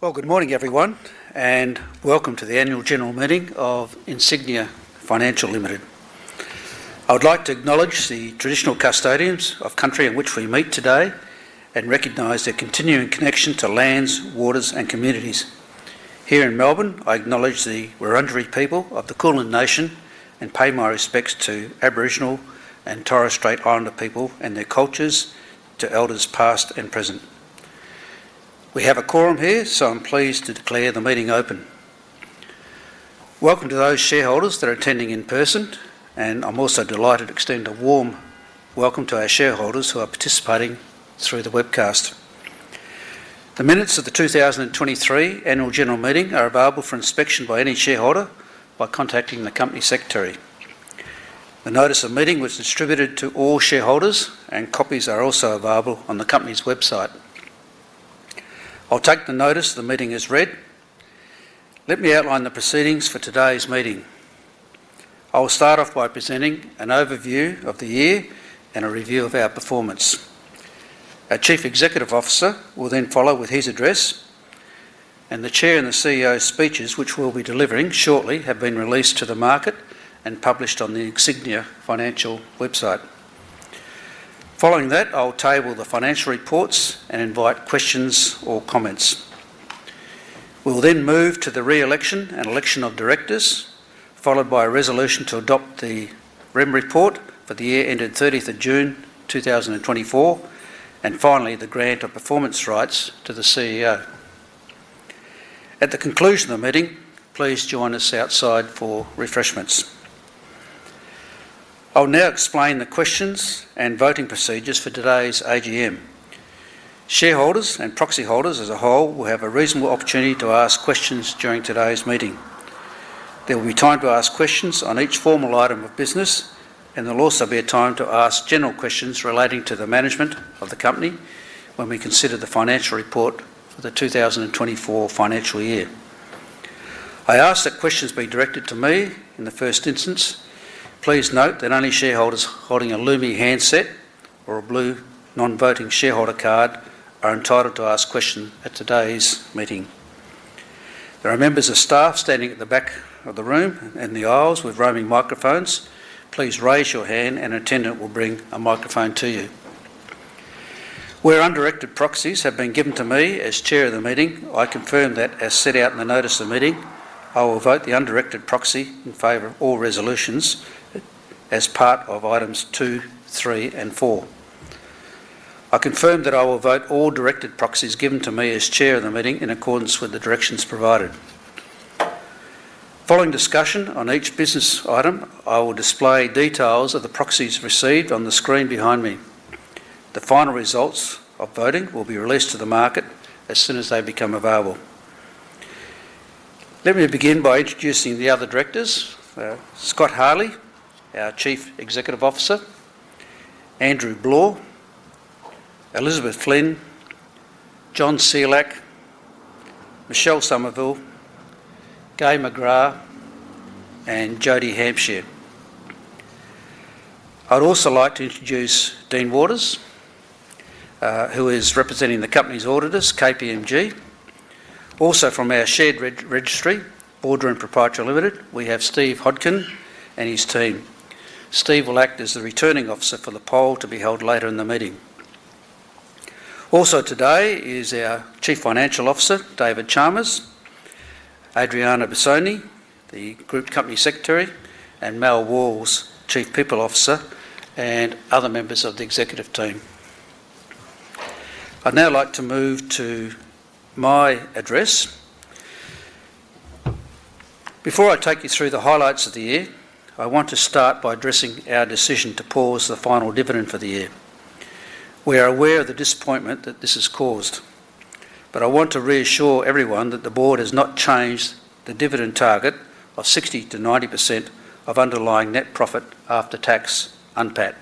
Good morning, everyone, and welcome to the annual general meeting of Insignia Financial Limited. I would like to acknowledge the traditional custodians of the country in which we meet today and recognize their continuing connection to lands, waters, and communities. Here in Melbourne, I acknowledge the Wurundjeri people of the Aulin Nation and pay my respects to Aboriginal and Torres Strait Islander people and their cultures, to elders past and present. We have a quorum here, so I'm pleased to declare the meeting open. Welcome to those shareholders that are attending in person, and I'm also delighted to extend a warm welcome to our shareholders who are participating through the webcast. The minutes of the 2023 Annual General Meeting are available for inspection by any shareholder by contacting the Company Secretary. The notice of meeting was distributed to all shareholders, and copies are also available on the company's website. I'll take the notice of the meeting is read. Let me outline the proceedings for today's meeting. I will start off by presenting an overview of the year and a review of our performance. Our Chief Executive Officer will then follow with his address, and the Chair and the CEO's speeches, which we'll be delivering shortly, have been released to the market and published on the Insignia Financial website. Following that, I'll table the financial reports and invite questions or comments. We'll then move to the re-election and election of directors, followed by a resolution to adopt the Rem report for the year ended 30th of June 2024, and finally, the grant of performance rights to the CEO. At the conclusion of the meeting, please join us outside for refreshments. I'll now explain the questions and voting procedures for today's AGM. Shareholders and proxy holders as a whole will have a reasonable opportunity to ask questions during today's meeting. There will be time to ask questions on each formal item of business, and there'll also be a time to ask general questions relating to the management of the company when we consider the financial report for the 2024 financial year. I ask that questions be directed to me in the first instance. Please note that only shareholders holding a Lumi handset or a blue non-voting shareholder card are entitled to ask questions at today's meeting. There are members of staff standing at the back of the room and the aisles with roaming microphones. Please raise your hand, and an attendant will bring a microphone to you. Where undirected proxies have been given to me as Chair of the meeting, I confirm that, as set out in the notice of meeting, I will vote the undirected proxy in favor of all resolutions as part of items two, three, and four. I confirm that I will vote all directed proxies given to me as Chair of the meeting in accordance with the directions provided. Following discussion on each business item, I will display details of the proxies received on the screen behind me. The final results of voting will be released to the market as soon as they become available. Let me begin by introducing the other directors: Scott Hartley, our Chief Executive Officer, Andrew Bloore, Elizabeth Flynn, John Selak, Michelle Somerville, Gai McGrath, and Jodie Hampshire. I'd also like to introduce Dean Waters, who is representing the company's auditors, KPMG. Also from our share registry, Boardroom Pty Limited, we have Steve Hodgkin and his team. Steve will act as the returning officer for the poll to be held later in the meeting. Also today is our Chief Financial Officer, David Chalmers, Adrianna Bisogni, the Group Company Secretary, and Mel Walls, Chief People Officer, and other members of the executive team. I'd now like to move to my address. Before I take you through the highlights of the year, I want to start by addressing our decision to pause the final dividend for the year. We are aware of the disappointment that this has caused, but I want to reassure everyone that the board has not changed the dividend target of 60%-90% of underlying net profit after tax (UNPAT),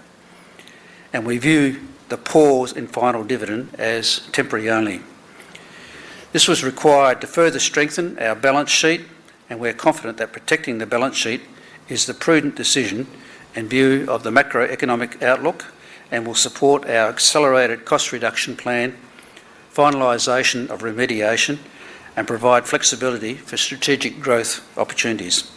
and we view the pause in final dividend as temporary only. This was required to further strengthen our balance sheet, and we are confident that protecting the balance sheet is the prudent decision and view of the macroeconomic outlook and will support our accelerated cost reduction plan, finalization of remediation, and provide flexibility for strategic growth opportunities.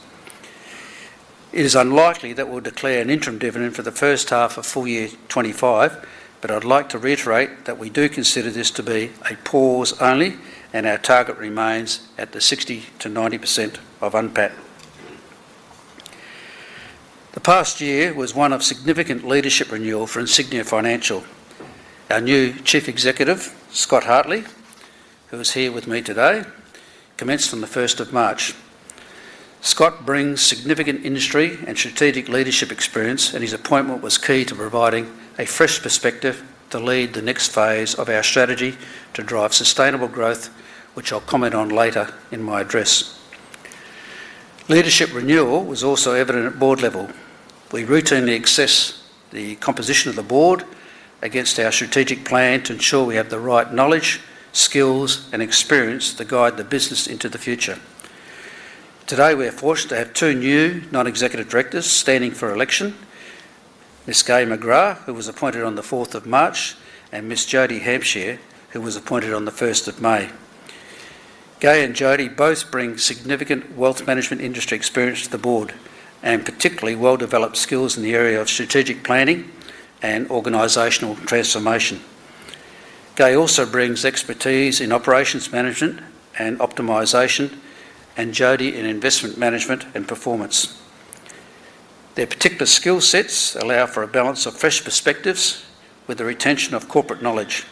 It is unlikely that we'll declare an interim dividend for the first half of full year 2025, but I'd like to reiterate that we do consider this to be a pause only, and our target remains at the 60%-90% of UNPAT. The past year was one of significant leadership renewal for Insignia Financial. Our new Chief Executive, Scott Hartley, who is here with me today, commenced on the 1st of March. Scott brings significant industry and strategic leadership experience, and his appointment was key to providing a fresh perspective to lead the next phase of our strategy to drive sustainable growth, which I'll comment on later in my address. Leadership renewal was also evident at board level. We routinely assess the composition of the board against our strategic plan to ensure we have the right knowledge, skills, and experience to guide the business into the future. Today, we are fortunate to have two new non-executive directors standing for election: Miss Gai McGrath, who was appointed on the 4th of March, and Miss Jodie Hampshire, who was appointed on the 1st of May. Gai and Jodie both bring significant wealth management industry experience to the board and particularly well-developed skills in the area of strategic planning and organizational transformation. Gai also brings expertise in operations management and optimization, and Jodie in investment management and performance. Their particular skill sets allow for a balance of fresh perspectives with the retention of corporate knowledge.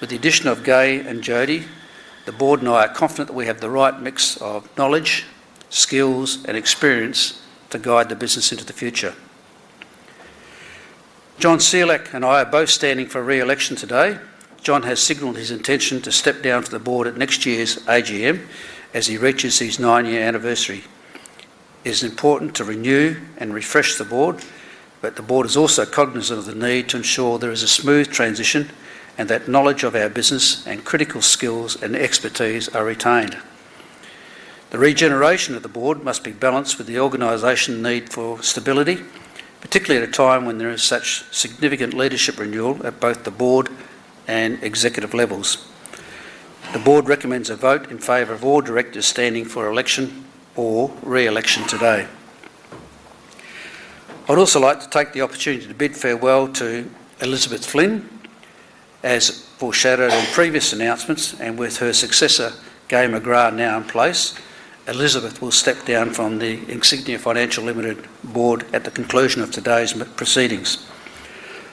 With the addition of Gai and Jodie, the board and I are confident that we have the right mix of knowledge, skills, and experience to guide the business into the future. John Selak and I are both standing for re-election today. John has signalled his intention to step down from the board at next year's AGM as he reaches his nine-year anniversary. It is important to renew and refresh the board, but the board is also cognizant of the need to ensure there is a smooth transition and that knowledge of our business and critical skills and expertise are retained. The regeneration of the board must be balanced with the organization's need for stability, particularly at a time when there is such significant leadership renewal at both the board and executive levels. The board recommends a vote in favor of all directors standing for election or re-election today. I'd also like to take the opportunity to bid farewell to Elizabeth Flynn. As foreshadowed in previous announcements and with her successor, Gai McGrath, now in place, Elizabeth will step down from the Insignia Financial Limited board at the conclusion of today's proceedings.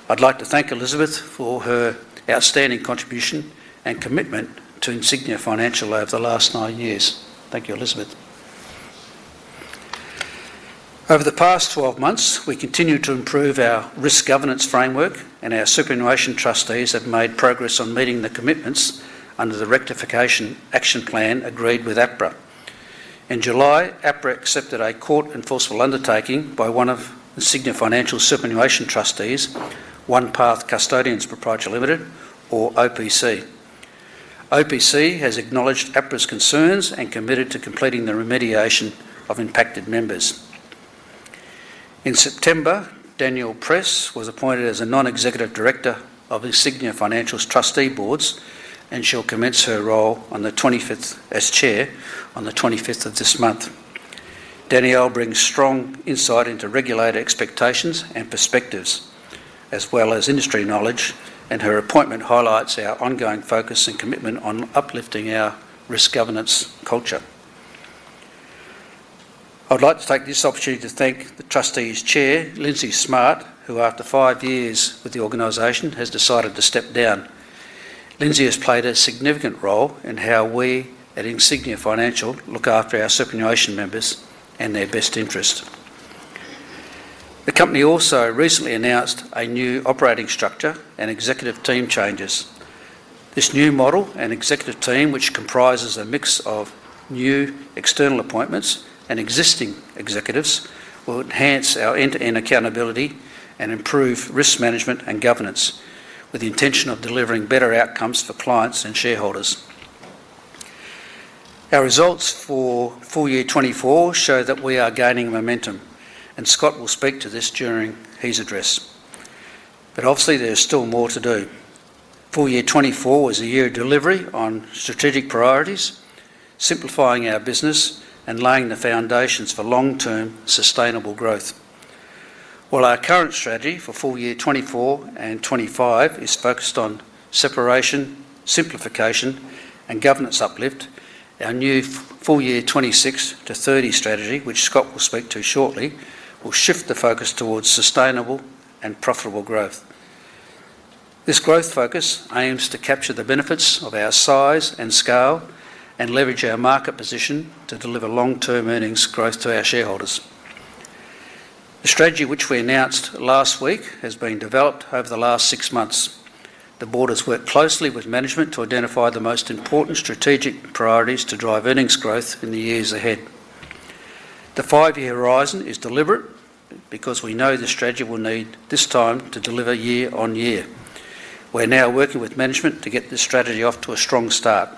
I'd like to thank Elizabeth for her outstanding contribution and commitment to Insignia Financial over the last nine years. Thank you, Elizabeth. Over the past 12 months, we continue to improve our risk governance framework, and our superannuation trustees have made progress on meeting the commitments under the rectification action plan agreed with APRA. In July, APRA accepted a court-enforceable undertaking by one of Insignia Financial's superannuation trustees, OnePath Custodians Pty Limited, or OPC. OPC has acknowledged APRA's concerns and committed to completing the remediation of impacted members. In September, Danielle Press was appointed as a non-executive director of Insignia Financial's trustee boards, and she'll commence her role as chair on the 25th of this month. Danielle brings strong insight into regulator expectations and perspectives, as well as industry knowledge, and her appointment highlights our ongoing focus and commitment on uplifting our risk governance culture. I'd like to take this opportunity to thank the trustee's chair, Lindsay Smartt, who, after five years with the organization, has decided to step down. Lindsay has played a significant role in how we at Insignia Financial look after our superannuation members and their best interests. The company also recently announced a new operating structure and executive team changes. This new model and executive team, which comprises a mix of new external appointments and existing executives, will enhance our end-to-end accountability and improve risk management and governance, with the intention of delivering better outcomes for clients and shareholders. Our results for full year 2024 show that we are gaining momentum, and Scott will speak to this during his address. But obviously, there is still more to do. Full year 2024 is a year of delivery on strategic priorities, simplifying our business and laying the foundations for long-term sustainable growth. While our current strategy for full year 2024 and 2025 is focused on separation, simplification, and governance uplift, our new full year 2026-2030 strategy, which Scott will speak to shortly, will shift the focus towards sustainable and profitable growth. This growth focus aims to capture the benefits of our size and scale and leverage our market position to deliver long-term earnings growth to our shareholders. The strategy, which we announced last week, has been developed over the last six months. The board has worked closely with management to identify the most important strategic priorities to drive earnings growth in the years ahead. The five-year horizon is deliberate because we know the strategy will need this time to deliver year on year. We're now working with management to get this strategy off to a strong start.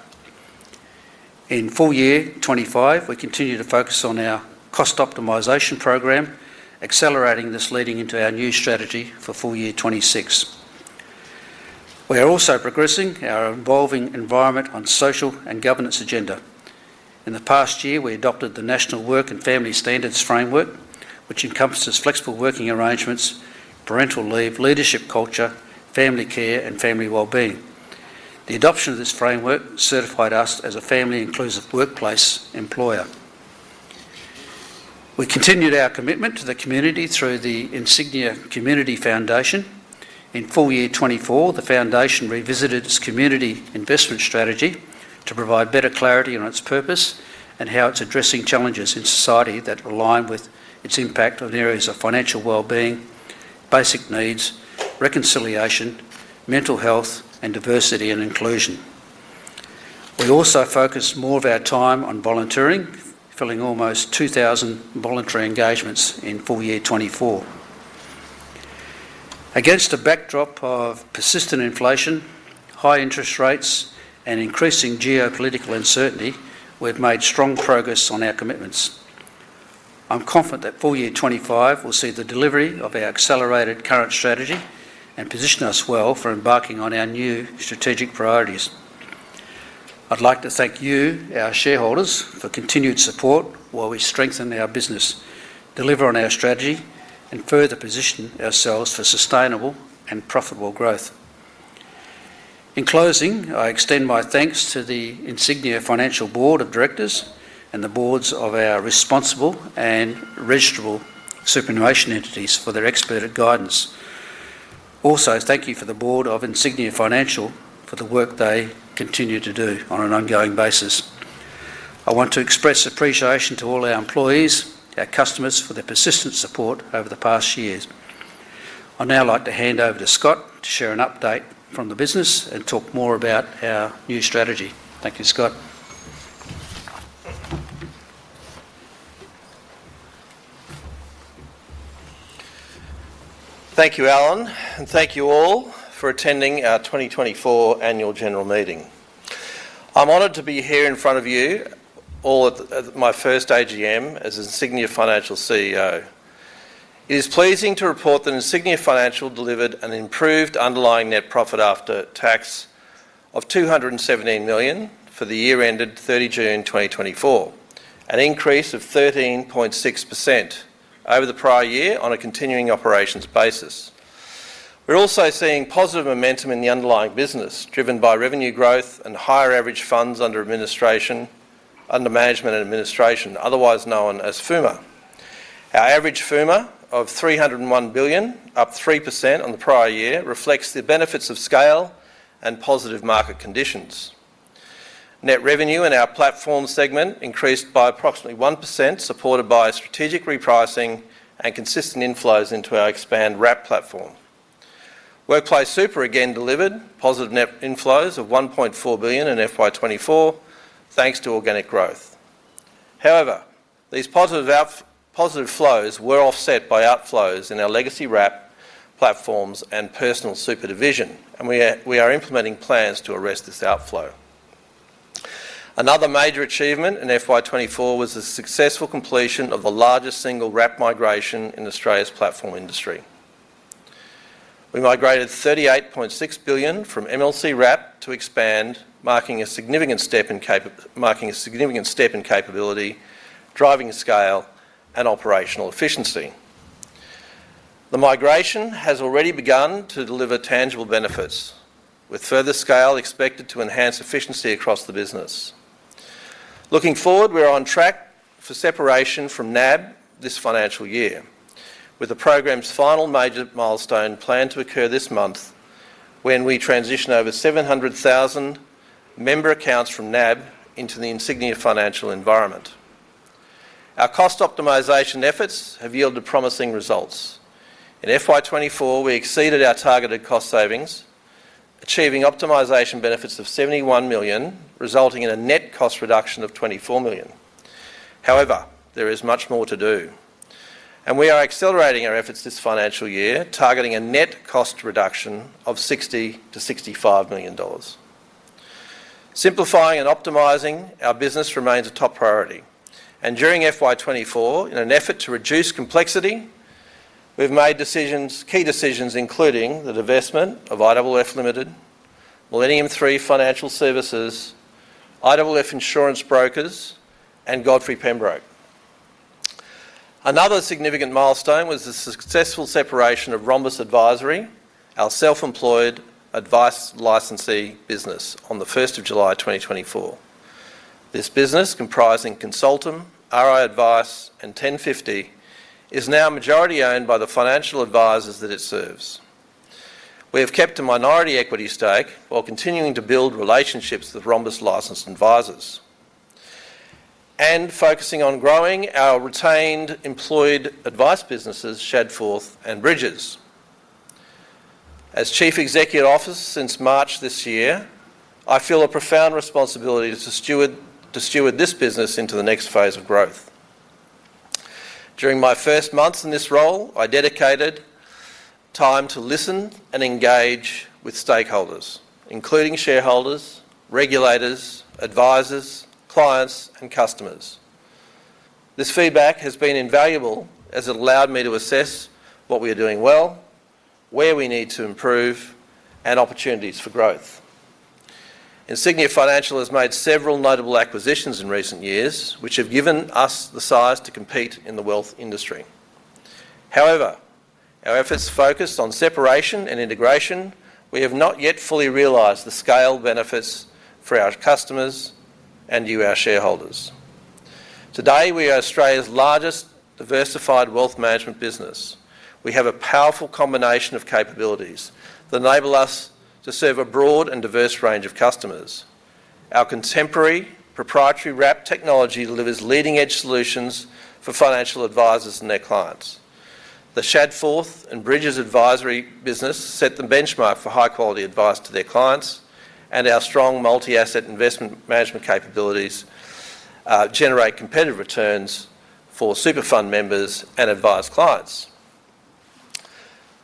In full year 2025, we continue to focus on our cost optimization program, accelerating this leading into our new strategy for full year 2026. We are also progressing our evolving environmental, social and governance agenda. In the past year, we adopted the National Work and Family Standards Framework, which encompasses flexible working arrangements, parental leave, leadership culture, family care, and family well-being. The adoption of this framework certified us as a family-inclusive workplace employer. We continued our commitment to the community through the Insignia Community Foundation. In full year 2024, the foundation revisited its community investment strategy to provide better clarity on its purpose and how it's addressing challenges in society that align with its impact on areas of financial well-being, basic needs, reconciliation, mental health, and diversity and inclusion. We also focused more of our time on volunteering, filling almost 2,000 voluntary engagements in full year 2024. Against a backdrop of persistent inflation, high interest rates, and increasing geopolitical uncertainty, we've made strong progress on our commitments. I'm confident that full year 2025 will see the delivery of our accelerated current strategy and position us well for embarking on our new strategic priorities. I'd like to thank you, our shareholders, for continued support while we strengthen our business, deliver on our strategy, and further position ourselves for sustainable and profitable growth. In closing, I extend my thanks to the Insignia Financial Board of Directors and the boards of our responsible and registrable superannuation entities for their expert guidance. Also, thank you to the Board of Insignia Financial for the work they continue to do on an ongoing basis. I want to express appreciation to all our employees, our customers, for their persistent support over the past years. I'd now like to hand over to Scott to share an update from the business and talk more about our new strategy. Thank you, Scott. Thank you, Allan, and thank you all for attending our 2024 Annual General Meeting. I'm honored to be here in front of you all at my first AGM as Insignia Financial's CEO. It is pleasing to report that Insignia Financial delivered an improved underlying net profit after tax of 217 million for the year ended 30 June 2024, an increase of 13.6% over the prior year on a continuing operations basis. We're also seeing positive momentum in the underlying business driven by revenue growth and higher average funds under management and administration, otherwise known as FUMA. Our average FUMA of 301 billion, up 3% on the prior year, reflects the benefits of scale and positive market conditions. Net revenue in our platform segment increased by approximately 1%, supported by strategic repricing and consistent inflows into our Expand wrap platform. Workplace Super again delivered positive net inflows of 1.4 billion in FY 2024, thanks to organic growth. However, these positive flows were offset by outflows in our Legacy wrap platforms and Personal Super division, and we are implementing plans to arrest this outflow. Another major achievement in FY 2024 was the successful completion of the largest single wrap migration in Australia's platform industry. We migrated 38.6 billion from MLC Wrap to Expand, marking a significant step in capability, driving scale and operational efficiency. The migration has already begun to deliver tangible benefits, with further scale expected to enhance efficiency across the business. Looking forward, we're on track for separation from NAB this financial year, with the program's final major milestone planned to occur this month when we transition over 700,000 member accounts from NAB into the Insignia Financial environment. Our cost optimisation efforts have yielded promising results. In FY 2024, we exceeded our targeted cost savings, achieving optimization benefits of 71 million, resulting in a net cost reduction of 24 million. However, there is much more to do, and we are accelerating our efforts this financial year, targeting a net cost reduction of 60-65 million dollars. Simplifying and optimizing our business remains a top priority, and during FY 2024, in an effort to reduce complexity, we've made key decisions, including the divestment of IOOF Ltd, Millennium3 Financial Services, IOOF Insurance Brokers, and Godfrey Pembroke. Another significant milestone was the successful separation of Rhombus Advisory, our self-employed advice licensee business, on the 1st of July 2024. This business, comprising Consultum, RI Advice, and TenFifty, is now majority owned by the financial advisors that it serves. We have kept a minority equity stake while continuing to build relationships with Rhombus licensed advisors and focusing on growing our retained employed advice businesses, Shadforth and Bridges. As Chief Executive Officer since March this year, I feel a profound responsibility to steward this business into the next phase of growth. During my first months in this role, I dedicated time to listen and engage with stakeholders, including shareholders, regulators, advisors, clients, and customers. This feedback has been invaluable as it allowed me to assess what we are doing well, where we need to improve, and opportunities for growth. Insignia Financial has made several notable acquisitions in recent years, which have given us the size to compete in the wealth industry. However, our efforts focused on separation and integration. We have not yet fully realized the scale benefits for our customers and you, our shareholders. Today, we are Australia's largest diversified wealth management business. We have a powerful combination of capabilities that enable us to serve a broad and diverse range of customers. Our contemporary proprietary wrap technology delivers leading-edge solutions for financial advisors and their clients. The Shadforth and Bridges Advisory business set the benchmark for high-quality advice to their clients, and our strong multi-asset investment management capabilities generate competitive returns for super fund members and advised clients.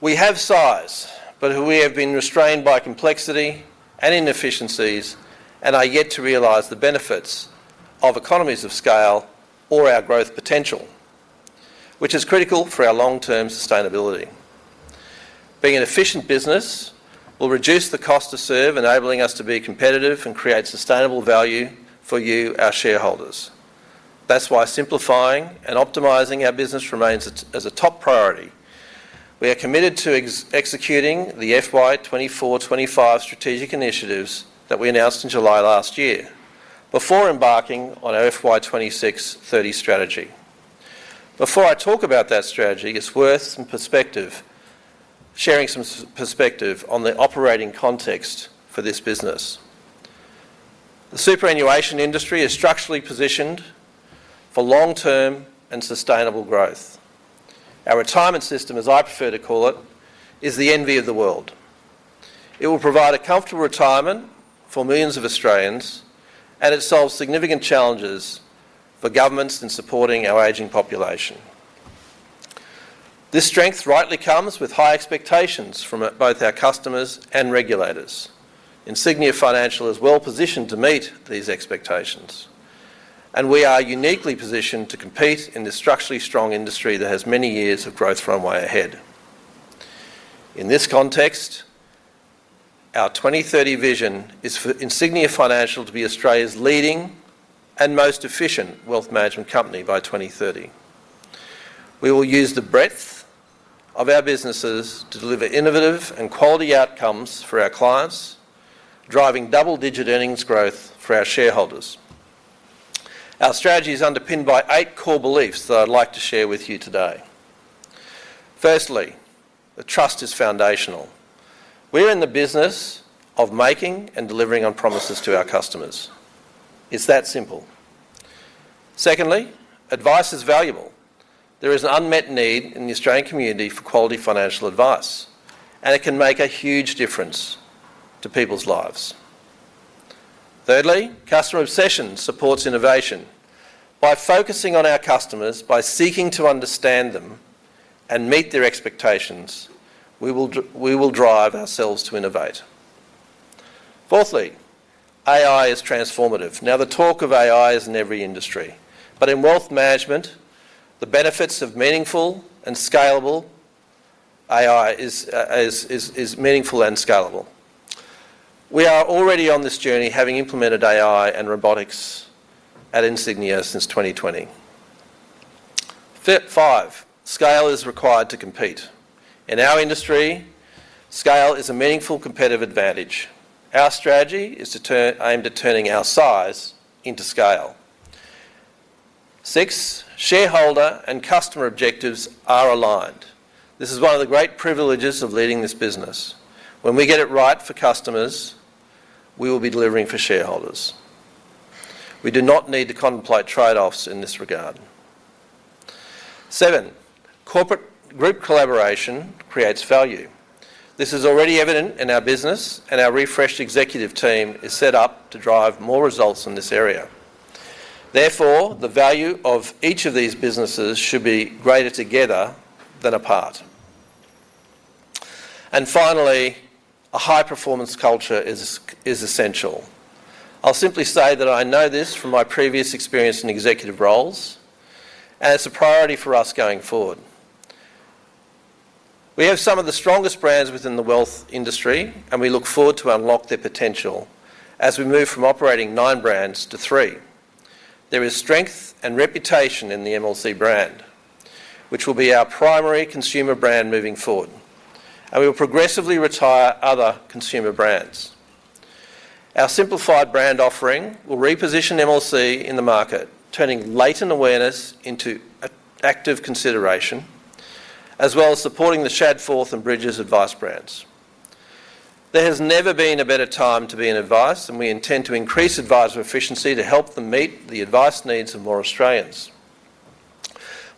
We have size, but we have been restrained by complexity and inefficiencies and are yet to realize the benefits of economies of scale or our growth potential, which is critical for our long-term sustainability. Being an efficient business will reduce the cost to serve, enabling us to be competitive and create sustainable value for you, our shareholders. That's why simplifying and optimizing our business remains as a top priority. We are committed to executing the FY 2024-2025 strategic initiatives that we announced in July last year before embarking on our FY 2026-2030 strategy. Before I talk about that strategy, it's worth sharing some perspective on the operating context for this business. The superannuation industry is structurally positioned for long-term and sustainable growth. Our retirement system, as I prefer to call it, is the envy of the world. It will provide a comfortable retirement for millions of Australians, and it solves significant challenges for governments in supporting our aging population. This strength rightly comes with high expectations from both our customers and regulators. Insignia Financial is well positioned to meet these expectations, and we are uniquely positioned to compete in this structurally strong industry that has many years of growth runway ahead. In this context, our 2030 vision is for Insignia Financial to be Australia's leading and most efficient wealth management company by 2030. We will use the breadth of our businesses to deliver innovative and quality outcomes for our clients, driving double-digit earnings growth for our shareholders. Our strategy is underpinned by eight core beliefs that I'd like to share with you today. Firstly, the trust is foundational. We're in the business of making and delivering on promises to our customers. It's that simple. Secondly, advice is valuable. There is an unmet need in the Australian community for quality financial advice, and it can make a huge difference to people's lives. Thirdly, customer obsession supports innovation. By focusing on our customers, by seeking to understand them and meet their expectations, we will drive ourselves to innovate. Fourthly, AI is transformative. Now, the talk of AI is in every industry, but in wealth management, the benefits of meaningful and scalable AI is meaningful and scalable. We are already on this journey, having implemented AI and robotics at Insignia since 2020. Fifth, scale is required to compete. In our industry, scale is a meaningful competitive advantage. Our strategy is to aim to turning our size into scale. Sixth, shareholder and customer objectives are aligned. This is one of the great privileges of leading this business. When we get it right for customers, we will be delivering for shareholders. We do not need to contemplate trade-offs in this regard. Seventh, corporate group collaboration creates value. This is already evident in our business, and our refreshed executive team is set up to drive more results in this area. Therefore, the value of each of these businesses should be greater together than apart. Finally, a high-performance culture is essential. I'll simply say that I know this from my previous experience in executive roles, and it's a priority for us going forward. We have some of the strongest brands within the wealth industry, and we look forward to unlock their potential as we move from operating nine brands to three. There is strength and reputation in the MLC brand, which will be our primary consumer brand moving forward, and we will progressively retire other consumer brands. Our simplified brand offering will reposition MLC in the market, turning latent awareness into active consideration, as well as supporting the Shadforth and Bridges Advice brands. There has never been a better time to be in advice, and we intend to increase advisor efficiency to help them meet the advice needs of more Australians.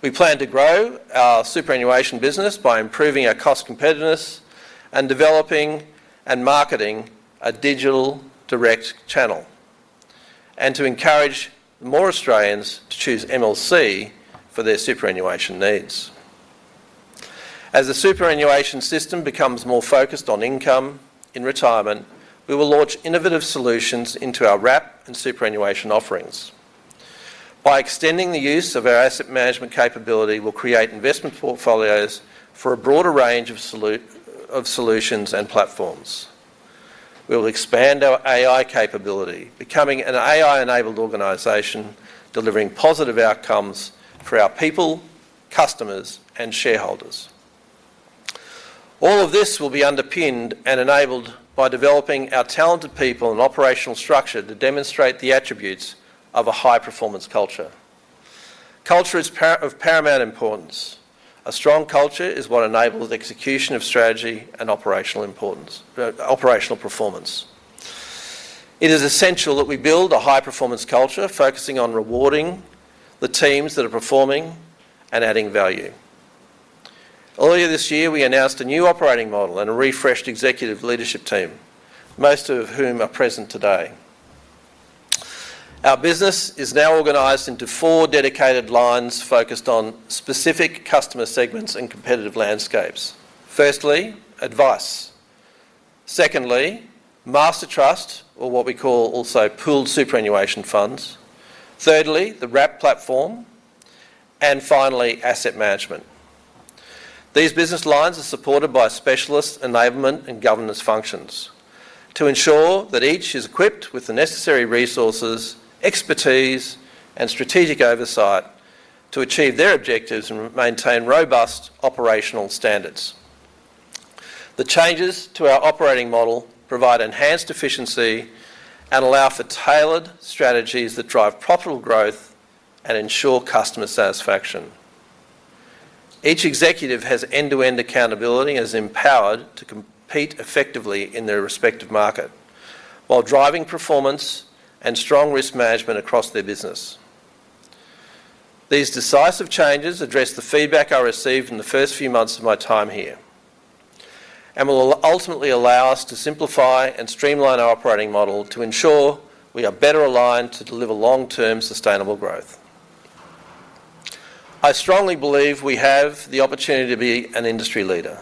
We plan to grow our superannuation business by improving our cost competitiveness and developing and marketing a digital direct channel, and to encourage more Australians to choose MLC for their superannuation needs. As the superannuation system becomes more focused on income in retirement, we will launch innovative solutions into our wrap and superannuation offerings. By extending the use of our asset management capability, we'll create investment portfolios for a broader range of solutions and platforms. We will expand our AI capability, becoming an AI-enabled organization delivering positive outcomes for our people, customers, and shareholders. All of this will be underpinned and enabled by developing our talented people and operational structure to demonstrate the attributes of a high-performance culture. Culture is of paramount importance. A strong culture is what enables execution of strategy and operational performance. It is essential that we build a high-performance culture focusing on rewarding the teams that are performing and adding value. Earlier this year, we announced a new operating model and a refreshed executive leadership team, most of whom are present today. Our business is now organized into four dedicated lines focused on specific customer segments and competitive landscapes. Firstly, advice. Secondly, master trust, or what we call also pooled superannuation funds. Thirdly, the wrap platform. And finally, asset management. These business lines are supported by specialist enablement and governance functions to ensure that each is equipped with the necessary resources, expertise, and strategic oversight to achieve their objectives and maintain robust operational standards. The changes to our operating model provide enhanced efficiency and allow for tailored strategies that drive profitable growth and ensure customer satisfaction. Each executive has end-to-end accountability and is empowered to compete effectively in their respective market while driving performance and strong risk management across their business. These decisive changes address the feedback I received in the first few months of my time here and will ultimately allow us to simplify and streamline our operating model to ensure we are better aligned to deliver long-term sustainable growth. I strongly believe we have the opportunity to be an industry leader,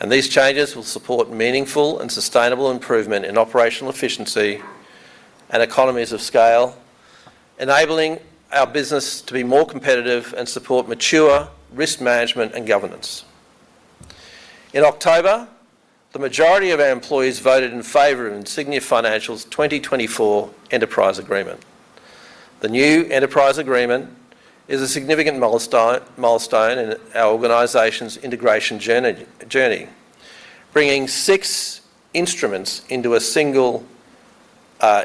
and these changes will support meaningful and sustainable improvement in operational efficiency and economies of scale, enabling our business to be more competitive and support mature risk management and governance. In October, the majority of our employees voted in favor of Insignia Financial's 2024 enterprise agreement. The new enterprise agreement is a significant milestone in our organization's integration journey, bringing six instruments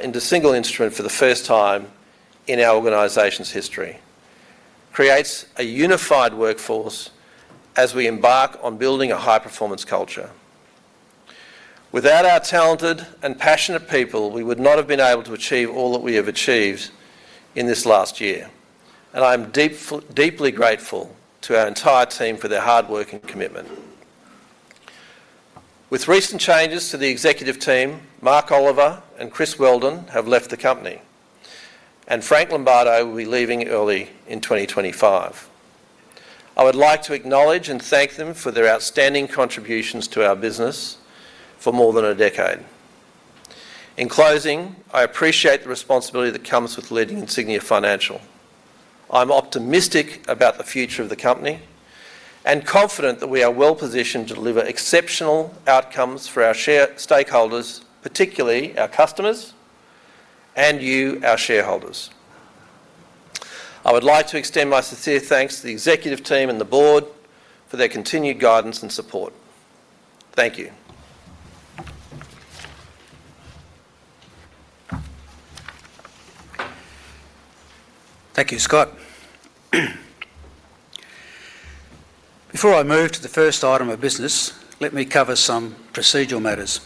into a single instrument for the first time in our organization's history. It creates a unified workforce as we embark on building a high-performance culture. Without our talented and passionate people, we would not have been able to achieve all that we have achieved in this last year, and I am deeply grateful to our entire team for their hard work and commitment. With recent changes to the executive team, Mark Oliver and Chris Weldon have left the company, and Frank Lombardo will be leaving early in 2025. I would like to acknowledge and thank them for their outstanding contributions to our business for more than a decade. In closing, I appreciate the responsibility that comes with leading Insignia Financial. I'm optimistic about the future of the company and confident that we are well positioned to deliver exceptional outcomes for our stakeholders, particularly our customers and you, our shareholders. I would like to extend my sincere thanks to the executive team and the board for their continued guidance and support. Thank you. Thank you, Scott. Before I move to the first item of business, let me cover some procedural matters.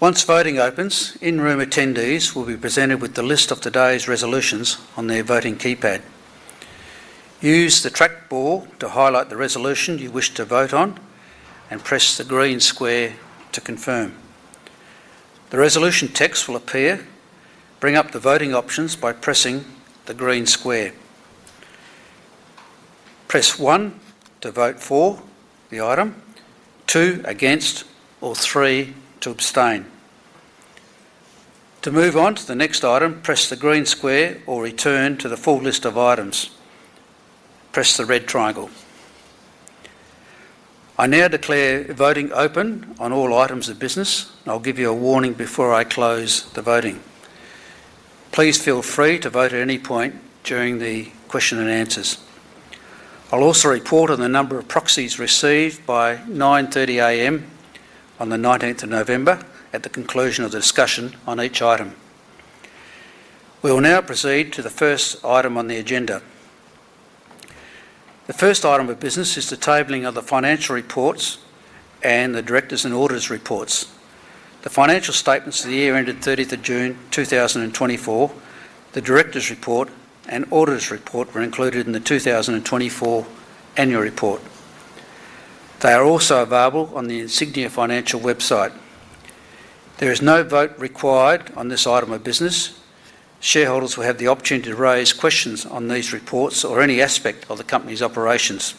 Once voting opens, in-room attendees will be presented with the list of today's resolutions on their voting keypad. Use the trackball to highlight the resolution you wish to vote on and press the green square to confirm. The resolution text will appear. Bring up the voting options by pressing the green square. Press one to vote for the item, two against, or three to abstain. To move on to the next item, press the green square or return to the full list of items. Press the red triangle. I now declare voting open on all items of business. I'll give you a warning before I close the voting. Please feel free to vote at any point during the question and answers. I'll also report on the number of proxies received by 9:30 A.M. on the 19th of November at the conclusion of the discussion on each item. We will now proceed to the first item on the agenda. The first item of business is the tabling of the financial reports and the Directors' and Auditors' Reports. The financial statements of the year ended 30th of June 2024. The Directors' Report and Auditors' Report were included in the 2024 Annual Report. They are also available on the Insignia Financial website. There is no vote required on this item of business. Shareholders will have the opportunity to raise questions on these reports or any aspect of the company's operations.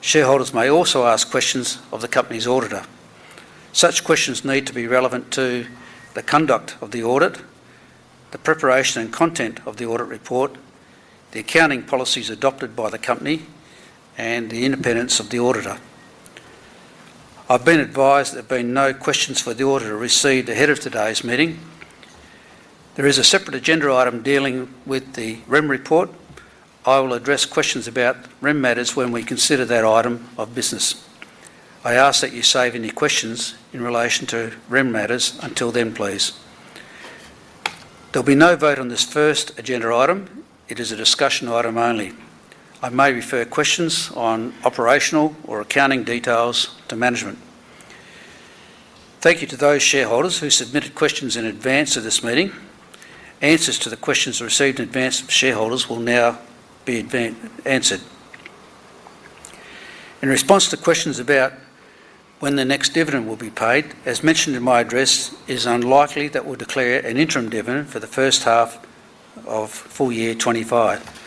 Shareholders may also ask questions of the company's auditor. Such questions need to be relevant to the conduct of the audit, the preparation and content of the Audit Report, the accounting policies adopted by the company, and the independence of the auditor. I've been advised there have been no questions for the auditor received ahead of today's meeting. There is a separate agenda item dealing with the Rem Report. I will address questions about Rem matters when we consider that item of business. I ask that you save any questions in relation to Rem matters until then, please. There'll be no vote on this first agenda item. It is a discussion item only. I may refer questions on operational or accounting details to management. Thank you to those shareholders who submitted questions in advance of this meeting. Answers to the questions received in advance of shareholders will now be answered. In response to questions about when the next dividend will be paid, as mentioned in my address, it is unlikely that we'll declare an interim dividend for the first half of full year 2025.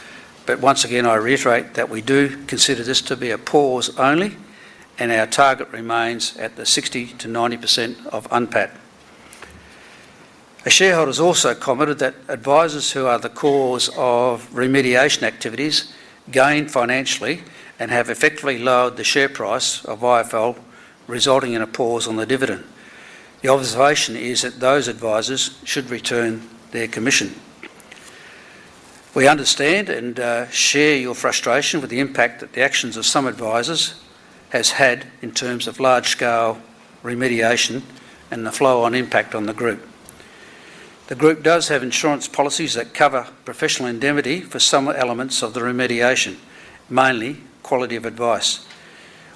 But once again, I reiterate that we do consider this to be a pause only, and our target remains at the 60%-90% of UNPAT. Shareholders also commented that advisors who are the cause of remediation activities gained financially and have effectively lowered the share price of IFL, resulting in a pause on the dividend. The observation is that those advisors should return their commission. We understand and share your frustration with the impact that the actions of some advisors have had in terms of large-scale remediation and the flow-on impact on the group. The group does have insurance policies that cover professional indemnity for some elements of the remediation, mainly quality of advice.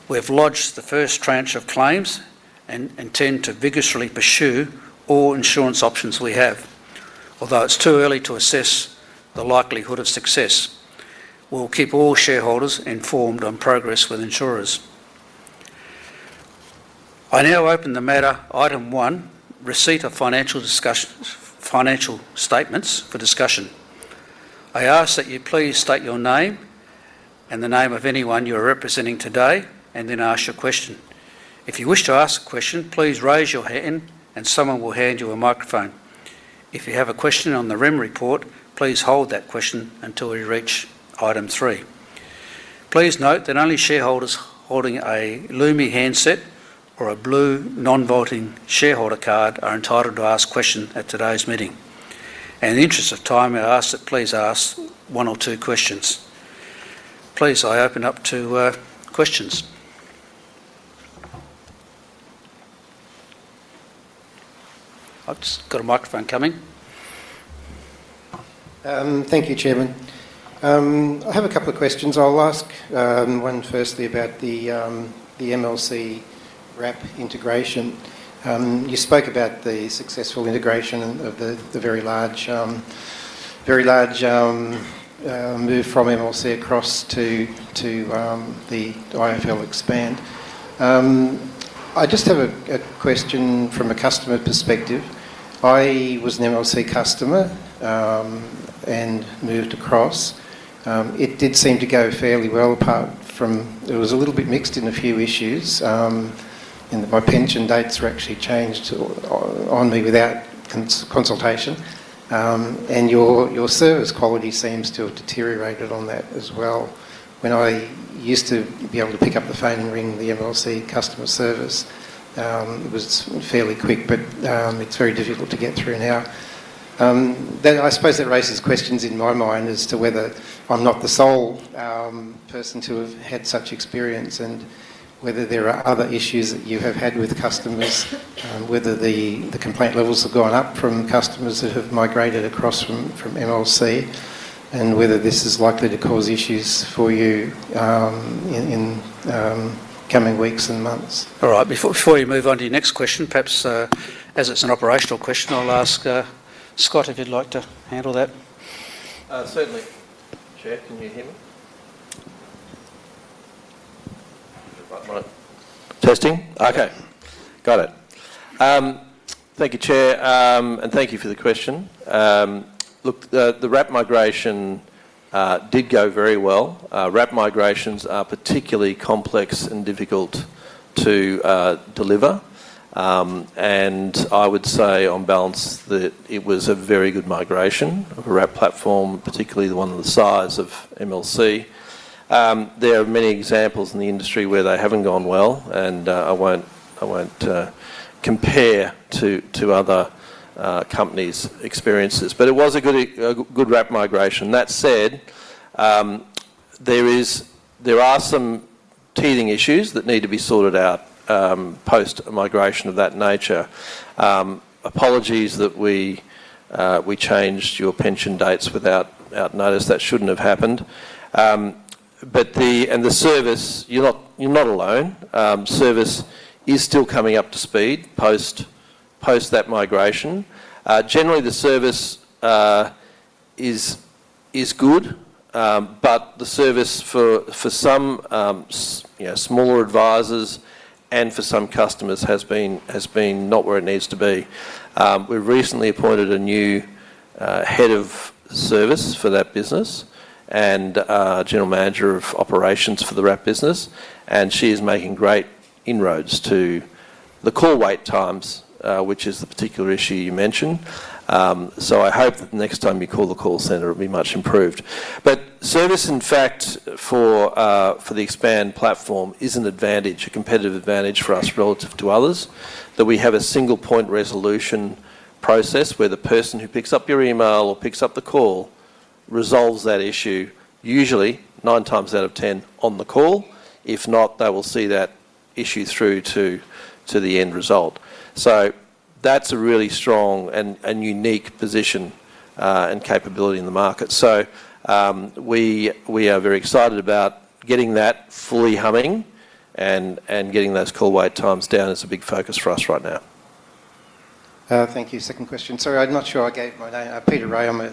We have lodged the first tranche of claims and intend to vigorously pursue all insurance options we have, although it's too early to assess the likelihood of success. We'll keep all shareholders informed on progress with insurers. I now open the matter item one, receipt of financial statements for discussion. I ask that you please state your name and the name of anyone you are representing today, and then ask your question. If you wish to ask a question, please raise your hand, and someone will hand you a microphone. If you have a question on the Rem Report, please hold that question until we reach item three. Please note that only shareholders holding a Lumi handset or a blue non-voting shareholder card are entitled to ask questions at today's meeting. In the interest of time, I ask that please ask one or two questions. Please, I open up to questions. I've just got a microphone coming. Thank you, Chairman. I have a couple of questions. I'll ask one firstly about the MLC wrap integration. You spoke about the successful integration of the very large move from MLC across to the IFL Expand. I just have a question from a customer perspective. I was an MLC customer and moved across. It did seem to go fairly well apart from it was a little bit mixed in a few issues, and my pension dates were actually changed on me without consultation. And your service quality seems to have deteriorated on that as well. When I used to be able to pick up the phone and ring the MLC customer service, it was fairly quick, but it's very difficult to get through now. I suppose that raises questions in my mind as to whether I'm not the sole person to have had such experience and whether there are other issues that you have had with customers, whether the complaint levels have gone up from customers that have migrated across from MLC, and whether this is likely to cause issues for you in coming weeks and months? All right. Before you move on to your next question, perhaps as it's an operational question, I'll ask Scott if you'd like to handle that. Certainly. Chair, can you hear me? Testing. Okay. Got it. Thank you, Chair, and thank you for the question. Look, the wrap migration did go very well. Wrap migrations are particularly complex and difficult to deliver. And I would say on balance that it was a very good migration of a wrap platform, particularly the one of the size of MLC. There are many examples in the industry where they haven't gone well, and I won't compare to other companies' experiences. But it was a good wrap migration. That said, there are some teething issues that need to be sorted out post-migration of that nature. Apologies that we changed your pension dates without notice. That shouldn't have happened. And the service, you're not alone. Service is still coming up to speed post that migration. Generally, the service is good, but the service for some smaller advisors and for some customers has been not where it needs to be. We recently appointed a new head of service for that business and general manager of operations for the wrap business, and she is making great inroads to the call wait times, which is the particular issue you mentioned. So I hope that next time you call the call center, it'll be much improved. But service, in fact, for the Expand platform is an advantage, a competitive advantage for us relative to others, that we have a single-point resolution process where the person who picks up your email or picks up the call resolves that issue usually nine times out of ten on the call. If not, they will see that issue through to the end result. That's a really strong and unique position and capability in the market. We are very excited about getting that fully humming and getting those call wait times down. It's a big focus for us right now. Thank you. Second question. Sorry, I'm not sure I gave my name. Peter Wray, I'm a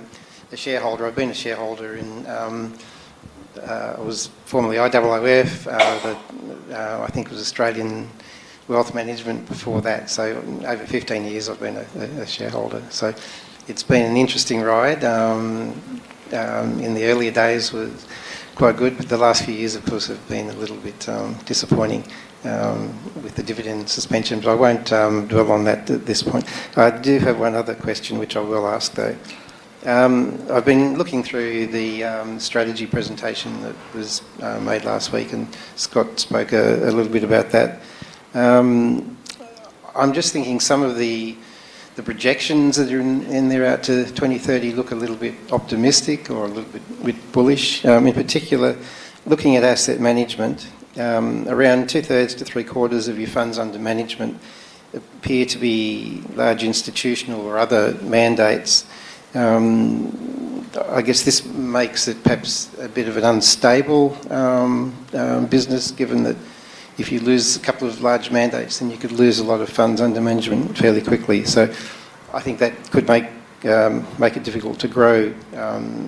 shareholder. I've been a shareholder. It was formerly IOOF, I think it was Australian Wealth Management before that. So over 15 years, I've been a shareholder. So it's been an interesting ride. In the earlier days, it was quite good, but the last few years, of course, have been a little bit disappointing with the dividend suspension. But I won't dwell on that at this point. I do have one other question, which I will ask, though. I've been looking through the strategy presentation that was made last week, and Scott spoke a little bit about that. I'm just thinking some of the projections that are in there out to 2030 look a little bit optimistic or a little bit bullish. In particular, looking at asset management, around 2/3-3/4 of your funds under management appear to be large institutional or other mandates. I guess this makes it perhaps a bit of an unstable business, given that if you lose a couple of large mandates, then you could lose a lot of funds under management fairly quickly. So I think that could make it difficult to grow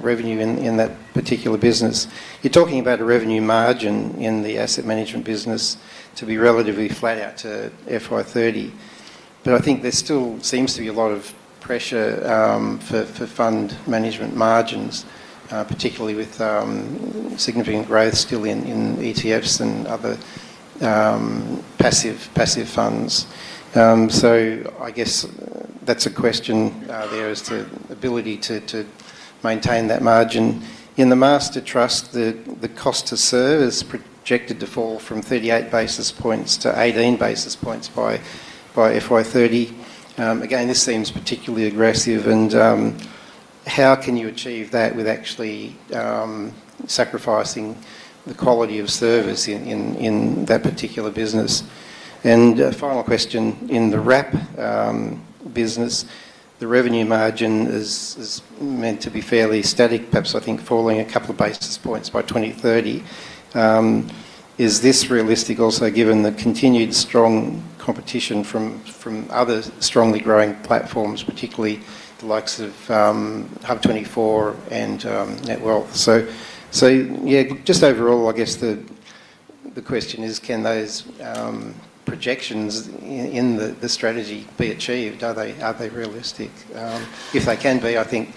revenue in that particular business. You're talking about a revenue margin in the asset management business to be relatively flat out to FY 2030. But I think there still seems to be a lot of pressure for fund management margins, particularly with significant growth still in ETFs and other passive funds. So I guess that's a question there as to ability to maintain that margin. In the Master Trust, the cost to serve is projected to fall from 38 basis points to 18 basis points by FY 2030. Again, this seems particularly aggressive. And how can you achieve that without actually sacrificing the quality of service in that particular business? And final question. In the wrap business, the revenue margin is meant to be fairly static, perhaps I think falling a couple of basis points by 2030. Is this realistic also given the continued strong competition from other strongly growing platforms, particularly the likes of HUB24 and Netwealth? So yeah, just overall, I guess the question is, can those projections in the strategy be achieved? Are they realistic? If they can be, I think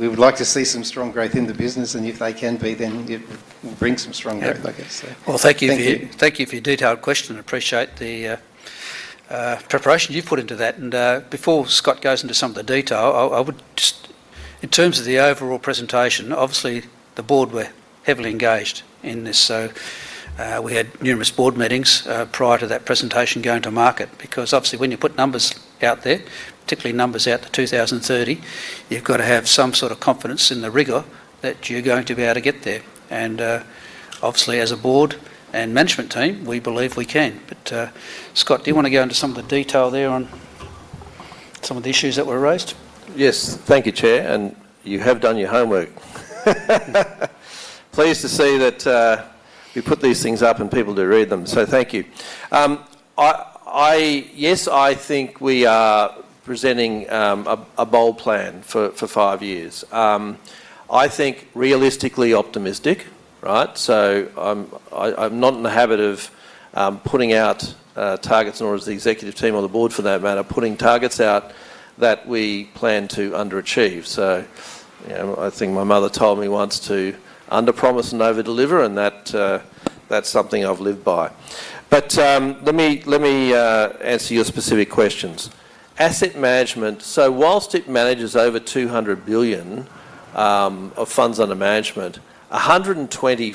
we would like to see some strong growth in the business. And if they can be, then it would bring some strong growth, I guess. Thank you for your detailed question. Appreciate the preparation you've put into that. Before Scott goes into some of the detail, I would just, in terms of the overall presentation, obviously the board were heavily engaged in this. We had numerous board meetings prior to that presentation going to market because obviously when you put numbers out there, particularly numbers out to 2030, you've got to have some sort of confidence in the rigor that you're going to be able to get there. Obviously, as a board and management team, we believe we can. Scott, do you want to go into some of the detail there on some of the issues that were raised? Yes. Thank you, Chair. And you have done your homework. Pleased to see that we put these things up and people do read them. So thank you. Yes, I think we are presenting a bold plan for five years. I think realistically optimistic, right? So I'm not in the habit of putting out targets in order as the executive team or the board for that matter, putting targets out that we plan to underachieve. So I think my mother told me once to underpromise and overdeliver, and that's something I've lived by. But let me answer your specific questions. Asset management, so while it manages over 200 billion of funds under management, 120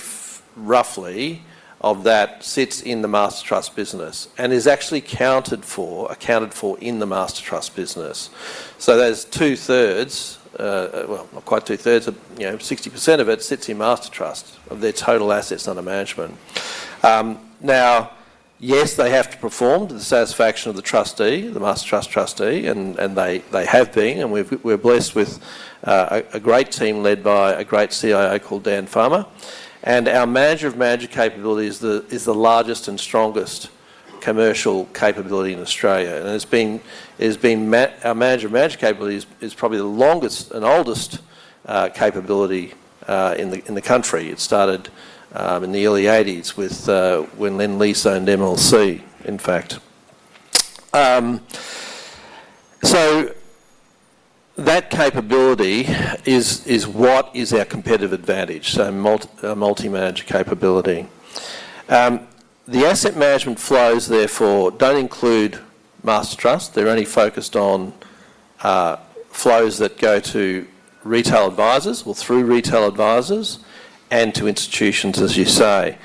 roughly of that sits in the master trust business and is actually accounted for in the Master Trust business. So there's two-thirds, well, not quite two-thirds, but 60% of it sits in Master Trust of their total assets under management. Now, yes, they have to perform to the satisfaction of the trustee, the Master Trust trustee, and they have been. We're blessed with a great team led by a great CIO called Dan Farmer. Our manager of manager capability is the largest and strongest commercial capability in Australia. Our manager of manager capability is probably the longest and oldest capability in the country. It started in the early 1980s when Lendlease signed MLC, in fact. That capability is what is our competitive advantage, so multi-manager capability. The asset management flows, therefore, don't include Master Trust. They're only focused on flows that go to retail advisors or through retail advisors and to institutions, as you say.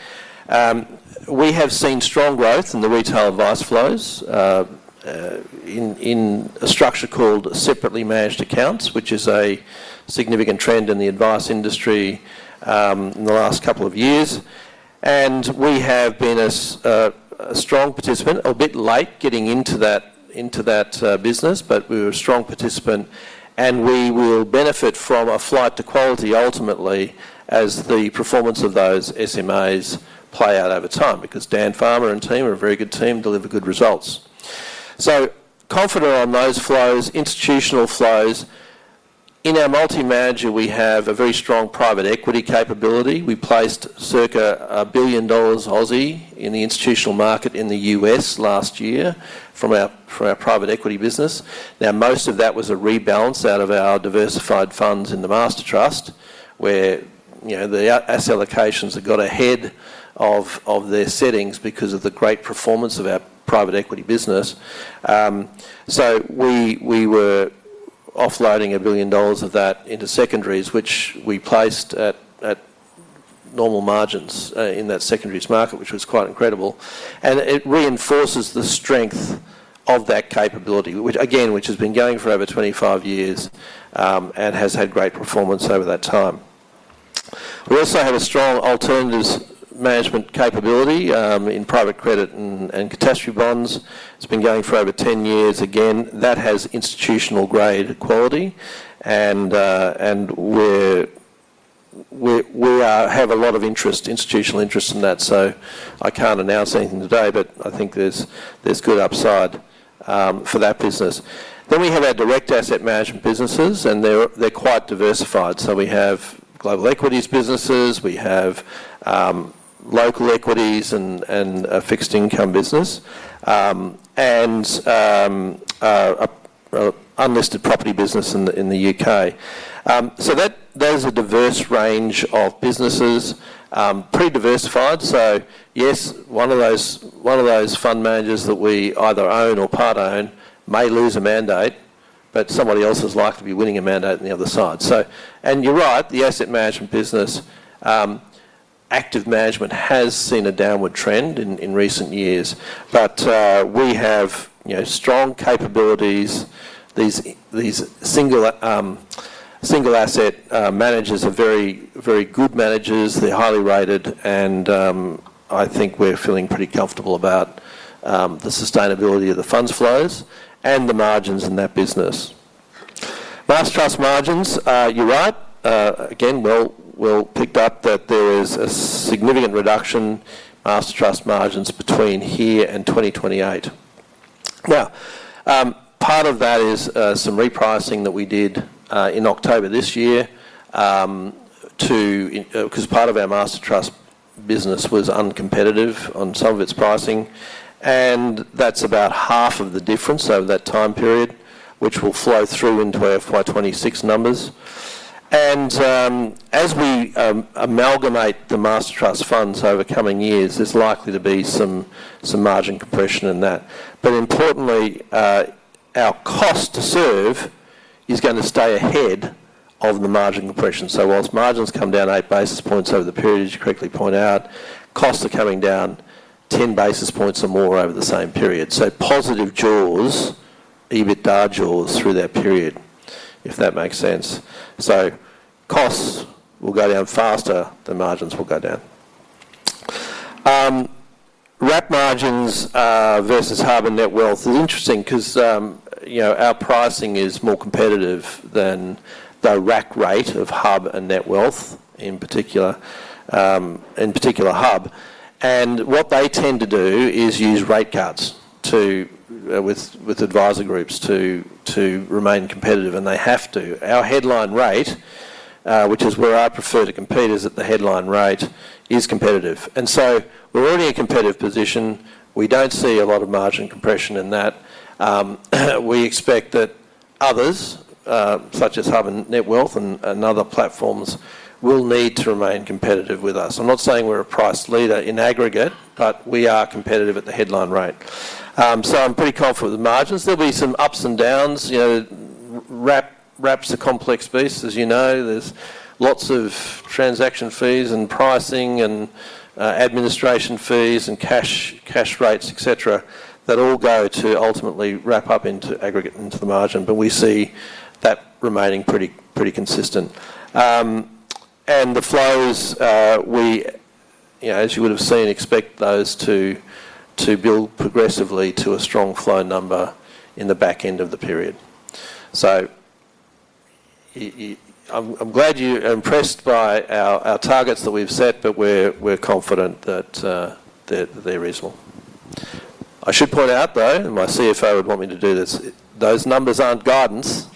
We have seen strong growth in the retail advice flows in a structure called separately managed accounts, which is a significant trend in the advice industry in the last couple of years. And we have been a strong participant, a bit late getting into that business, but we were a strong participant. And we will benefit from a flight to quality ultimately as the performance of those SMAs play out over time because Dan Farmer and team are a very good team, deliver good results. So confident on those flows, institutional flows. In our multi-manager, we have a very strong private equity capability. We placed circa 1 billion dollars in the institutional market in the U.S. last year from our private equity business. Now, most of that was a rebalance out of our diversified funds in the master trust where the asset allocations had got ahead of their settings because of the great performance of our private equity business, so we were offloading 1 billion dollars of that into secondaries, which we placed at normal margins in that secondaries market, which was quite incredible, and it reinforces the strength of that capability, again, which has been going for over 25 years and has had great performance over that time. We also have a strong alternatives management capability in private credit and catastrophe bonds. It's been going for over 10 years. Again, that has institutional-grade quality, and we have a lot of interest, institutional interest in that, so I can't announce anything today, but I think there's good upside for that business, then we have our direct asset management businesses, and they're quite diversified. So we have global equities businesses, we have local equities and a fixed income business, and an unlisted property business in the U.K. So there's a diverse range of businesses, pretty diversified. So yes, one of those fund managers that we either own or part-own may lose a mandate, but somebody else is likely to be winning a mandate on the other side. And you're right, the asset management business, active management has seen a downward trend in recent years. But we have strong capabilities. These single asset managers are very good managers. They're highly rated. And I think we're feeling pretty comfortable about the sustainability of the funds flows and the margins in that business. Master Trust margins, you're right. Again, we'll pick up that there is a significant reduction in Master Trust margins between here and 2028. Now, part of that is some repricing that we did in October this year because part of our Master Trust business was uncompetitive on some of its pricing. And that's about half of the difference over that time period, which will flow through into our FY 2026 numbers. And as we amalgamate the Master Trust funds over coming years, there's likely to be some margin compression in that. But importantly, our cost to serve is going to stay ahead of the margin compression. So whilst margins come down eight basis points over the period, as you correctly point out, costs are coming down 10 basis points or more over the same period. So positive jaws, even darker jaws through that period, if that makes sense. So costs will go down faster than margins will go down. Wrap margins versus HUB and Netwealth is interesting because our pricing is more competitive than the wrap rate of HUB and Netwealth in particular, in particular HUB. What they tend to do is use rate cuts with advisor groups to remain competitive. They have to. Our headline rate, which is where I prefer to compete as at the headline rate, is competitive. We're already in a competitive position. We don't see a lot of margin compression in that. We expect that others, such as HUB and Netwealth and other platforms, will need to remain competitive with us. I'm not saying we're a price leader in aggregate, but we are competitive at the headline rate. I'm pretty confident with the margins. There'll be some ups and downs. Wrap's a complex beast, as you know. There's lots of transaction fees and pricing and administration fees and cash rates, etc., that all go to ultimately wrap up into aggregate into the margin. But we see that remaining pretty consistent. And the flows, as you would have seen, expect those to build progressively to a strong flow number in the back end of the period. So I'm glad you're impressed by our targets that we've set, but we're confident that they're reasonable. I should point out, though, and my CFO would want me to do this, those numbers aren't guidance.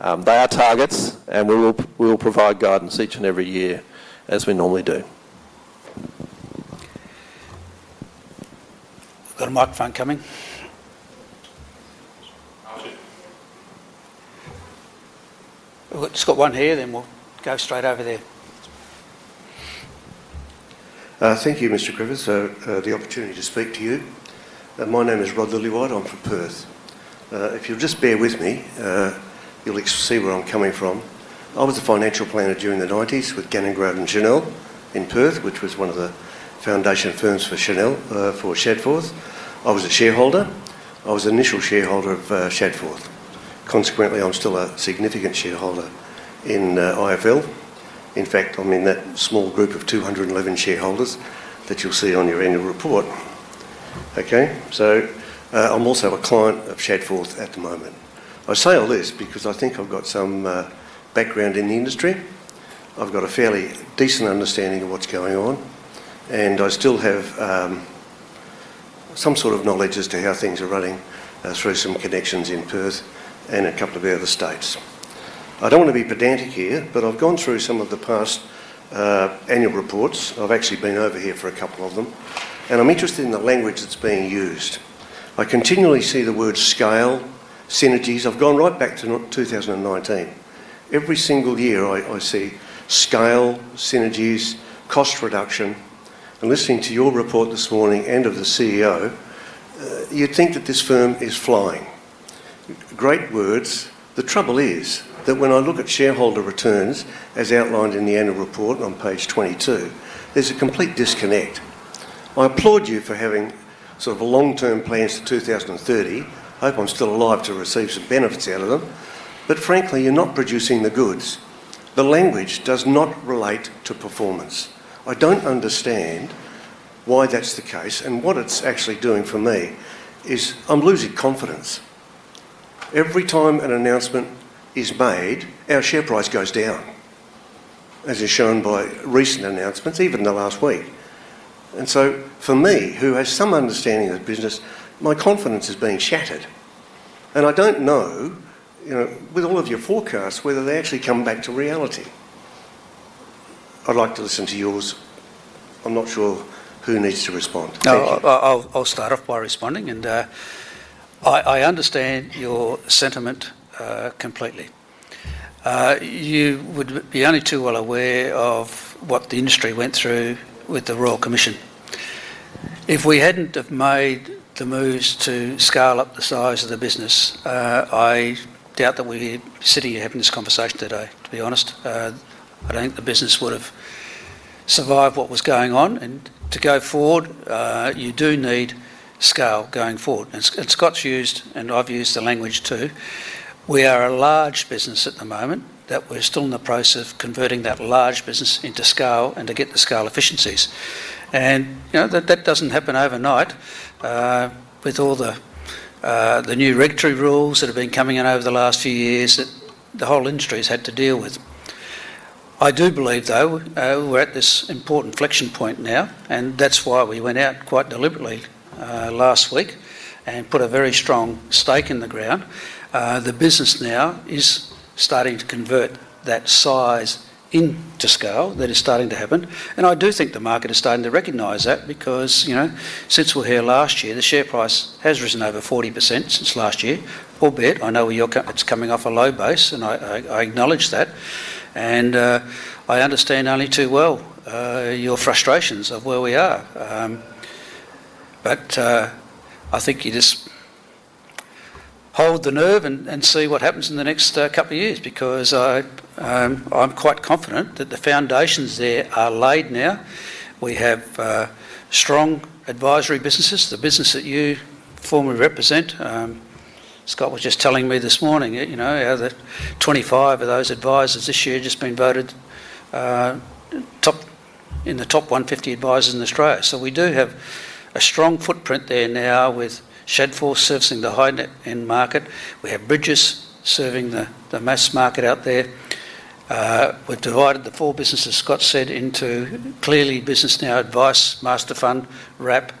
They are targets, and we will provide guidance each and every year as we normally do. Got a microphone coming? We've got Scott's one here, then we'll go straight over there. Thank you, Mr. Griffiths, for the opportunity to speak to you. My name is Rod Lillywhite. I'm from Perth. If you'll just bear with me, you'll see where I'm coming from. I was a financial planner during the 1990s with Gannon, Grab, and Channel in Perth, which was one of the foundation firms for Channel for Shadforth. I was a shareholder. I was an initial shareholder of Shadforth. Consequently, I'm still a significant shareholder in IFL. In fact, I'm in that small group of 211 shareholders that you'll see on your annual report. Okay? So I'm also a client of Shadforth at the moment. I say all this because I think I've got some background in the industry. I've got a fairly decent understanding of what's going on. And I still have some sort of knowledge as to how things are running through some connections in Perth and a couple of other states. I don't want to be pedantic here, but I've gone through some of the past annual reports. I've actually been over here for a couple of them. And I'm interested in the language that's being used. I continually see the word scale, synergies. I've gone right back to 2019. Every single year, I see scale, synergies, cost reduction. And listening to your report this morning, and the CEO, you'd think that this firm is flying. Great words. The trouble is that when I look at shareholder returns, as outlined in the annual report on page 22, there's a complete disconnect. I applaud you for having sort of a long-term plan for 2030. I hope I'm still alive to receive some benefits out of them. But frankly, you're not producing the goods. The language does not relate to performance. I don't understand why that's the case. And what it's actually doing for me is I'm losing confidence. Every time an announcement is made, our share price goes down, as is shown by recent announcements, even the last week. And so for me, who has some understanding of the business, my confidence is being shattered. And I don't know, with all of your forecasts, whether they actually come back to reality. I'd like to listen to yours. I'm not sure who needs to respond. Thank you. I'll start off by responding, and I understand your sentiment completely. You would be only too well aware of what the industry went through with the Royal Commission. If we hadn't have made the moves to scale up the size of the business, I doubt that we're sitting here having this conversation today, to be honest. I don't think the business would have survived what was going on, and to go forward, you do need scale going forward, and Scott's used, and I've used the language too. We are a large business at the moment that we're still in the process of converting that large business into scale and to get the scale efficiencies, and that doesn't happen overnight with all the new regulatory rules that have been coming in over the last few years that the whole industry has had to deal with. I do believe, though, we're at this important inflection point now, and that's why we went out quite deliberately last week and put a very strong stake in the ground. The business now is starting to convert that size into scale. That is starting to happen, and I do think the market is starting to recognize that because since we were here last year, the share price has risen over 40% since last year. Albeit, I know it's coming off a low base, and I acknowledge that, and I understand only too well your frustrations of where we are, but I think you just hold the nerve and see what happens in the next couple of years because I'm quite confident that the foundations there are laid now. We have strong advisory businesses, the business that you formerly represent. Scott was just telling me this morning how 25 of those advisors this year have just been voted in the top 150 advisors in Australia, so we do have a strong footprint there now with Shadforth servicing the high-end market. We have Bridges serving the mass market out there. We've divided the four businesses, Scott said, into clearly BusinessNow Advice, Master Fund, Wrap,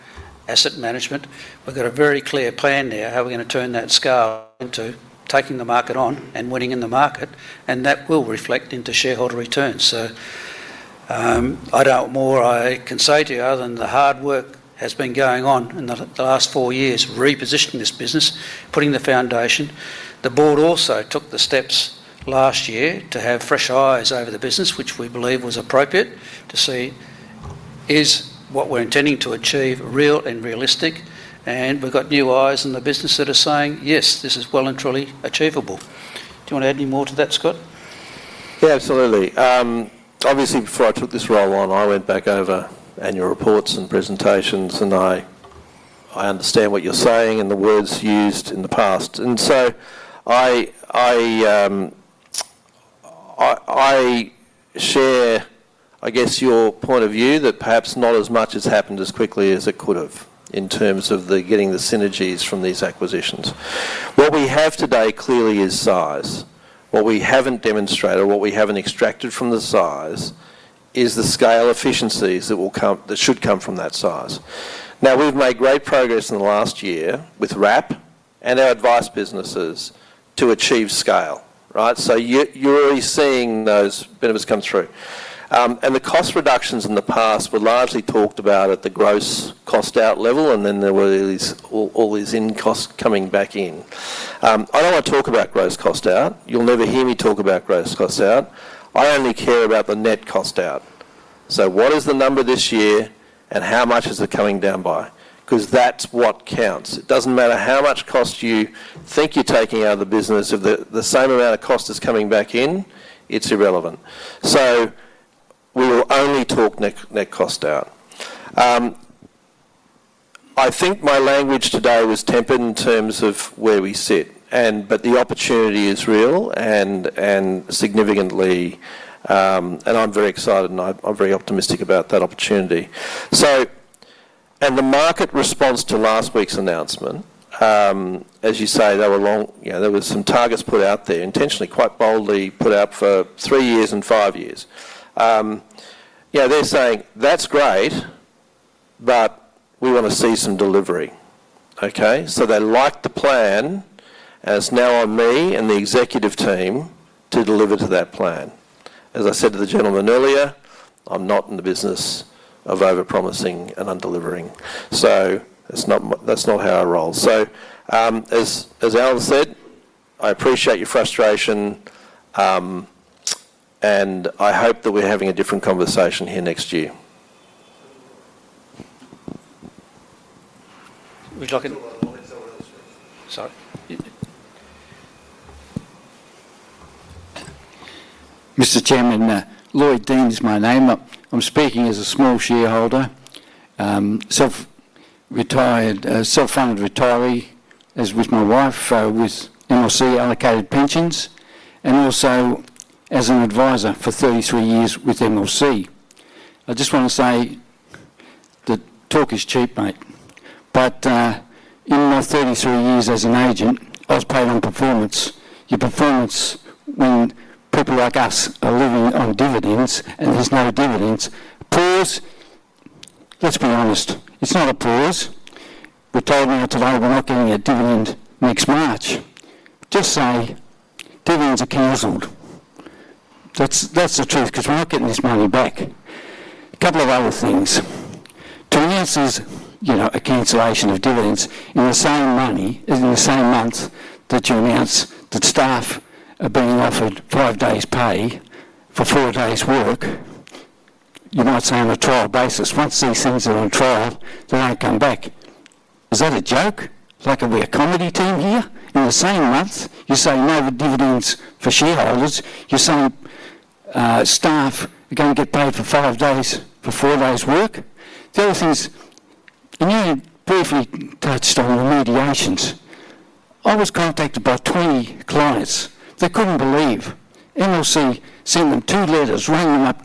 Asset Management. We've got a very clear plan there how we're going to turn that scale into taking the market on and winning in the market, and that will reflect into shareholder returns, so I don't know what more I can say to you other than the hard work has been going on in the last four years repositioning this business, putting the foundation. The board also took the steps last year to have fresh eyes over the business, which we believe was appropriate to see if what we're intending to achieve is real and realistic. And we've got new eyes in the business that are saying, yes, this is well and truly achievable. Do you want to add any more to that, Scott? Yeah, absolutely. Obviously, before I took this role on, I went back over annual reports and presentations, and I understand what you're saying and the words used in the past, and so I share, I guess, your point of view that perhaps not as much has happened as quickly as it could have in terms of getting the synergies from these acquisitions. What we have today clearly is size. What we haven't demonstrated or what we haven't extracted from the size is the scale efficiencies that should come from that size. Now, we've made great progress in the last year with wrap and our advice businesses to achieve scale, right, so you're already seeing those benefits come through, and the cost reductions in the past were largely talked about at the gross cost out level, and then there were all these in costs coming back in. I don't want to talk about gross cost out. You'll never hear me talk about gross cost out. I only care about the net cost out. So what is the number this year, and how much is it coming down by? Because that's what counts. It doesn't matter how much cost you think you're taking out of the business. If the same amount of cost is coming back in, it's irrelevant. So we will only talk net cost out. I think my language today was tempered in terms of where we sit. But the opportunity is real and significantly, and I'm very excited, and I'm very optimistic about that opportunity. And the market response to last week's announcement, as you say, there were some targets put out there, intentionally, quite boldly put out for three years and five years. They're saying, "That's great, but we want to see some delivery." Okay? So they liked the plan, and it's now on me and the executive team to deliver to that plan. As I said to the gentleman earlier, I'm not in the business of overpromising and undelivering. So that's not how I roll. So as Allan said, I appreciate your frustration, and I hope that we're having a different conversation here next year. Sorry. Mr. Chairman, Lloyd Dean is my name. I'm speaking as a small shareholder, self-retired, self-funded retiree with my wife with MLC allocated pensions, and also as an advisor for 33 years with MLC. I just want to say the talk is cheap, mate. But in my 33 years as an agent, I was paid on performance. Your performance when people like us are living on dividends and there's no dividends, pause. Let's be honest. It's not a pause. We're told now today we're not getting a dividend next March. Just say dividends are canceled. That's the truth because we're not getting this money back. A couple of other things. To announce a cancellation of dividends in the same month that you announce that staff are being offered five days pay for four days work, you might say on a trial basis. Once these things are on trial, they don't come back. Is that a joke? Like we're a comedy team here? In the same month, you say no dividends for shareholders. You're saying staff are going to get paid for five days for four days work. The other thing is, and you briefly touched on remediations. I was contacted by 20 clients. They couldn't believe. MLC sent them two letters, rang them up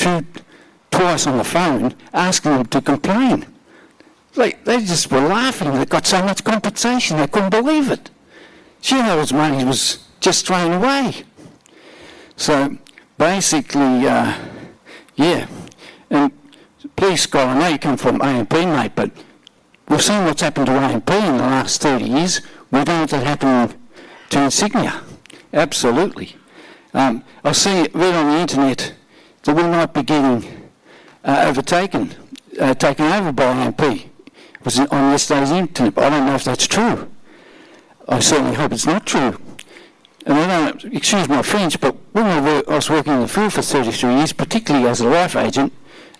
twice on the phone, asking them to complain. They just were laughing. They got so much compensation, they couldn't believe it. Shareholders' money was just thrown away. So basically, yeah. And please, Scott, I know you come from AMP, mate, but we've seen what's happened to AMP in the last 30 years. We've heard it happen to Insignia. Absolutely. I just read on the internet that we might be getting overtaken, taken over by AMP. It was on yesterday's internet. I don't know if that's true. I certainly hope it's not true, and excuse my French, but when I was working in the field for 33 years, particularly as a life agent,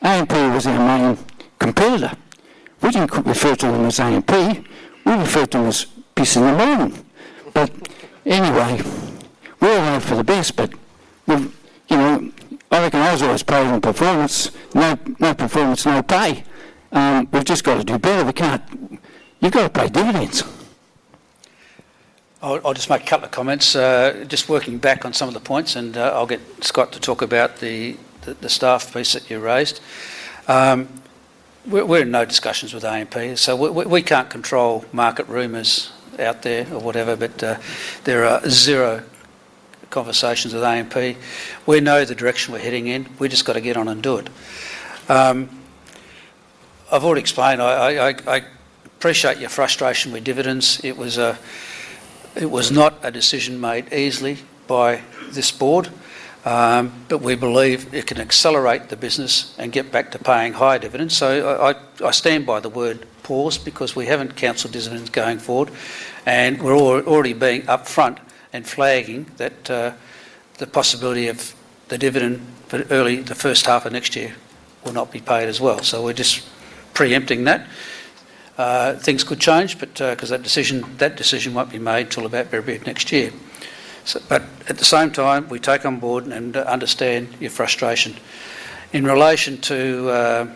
AMP was our main competitor. We didn't refer to them as AMP. We referred to them as piss in the morning. But anyway, we're all rooting for the best, but I reckon I was always paid on performance. No performance, no pay. We've just got to do better. You've got to pay dividends. I'll just make a couple of comments. Just working back on some of the points, and I'll get Scott to talk about the staff piece that you raised. We're in no discussions with AMP, so we can't control market rumors out there or whatever, but there are zero conversations with AMP. We know the direction we're heading in. We've just got to get on and do it. I've already explained. I appreciate your frustration with dividends. It was not a decision made easily by this board, but we believe it can accelerate the business and get back to paying high dividends. So I stand by the word pause because we haven't canceled dividends going forward. And we're already being upfront and flagging that the possibility of the dividend for early the first half of next year will not be paid as well. So we're just preempting that. Things could change, but because that decision won't be made till about very next year, but at the same time, we take on board and understand your frustration. In relation to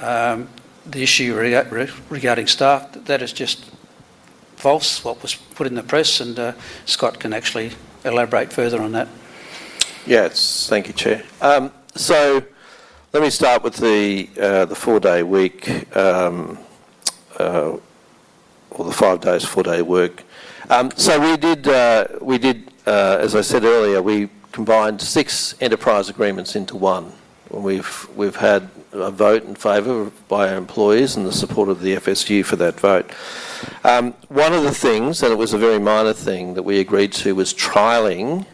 the issue regarding staff, that is just false, what was put in the press, and Scott can actually elaborate further on that. Yes, thank you, Chair, so let me start with the four-day week or the five days, four-day work, so we did, as I said earlier, we combined six enterprise agreements into one. We've had a vote in favor by our employees and the support of the FSU for that vote. One of the things, and it was a very minor thing that we agreed to, was trialing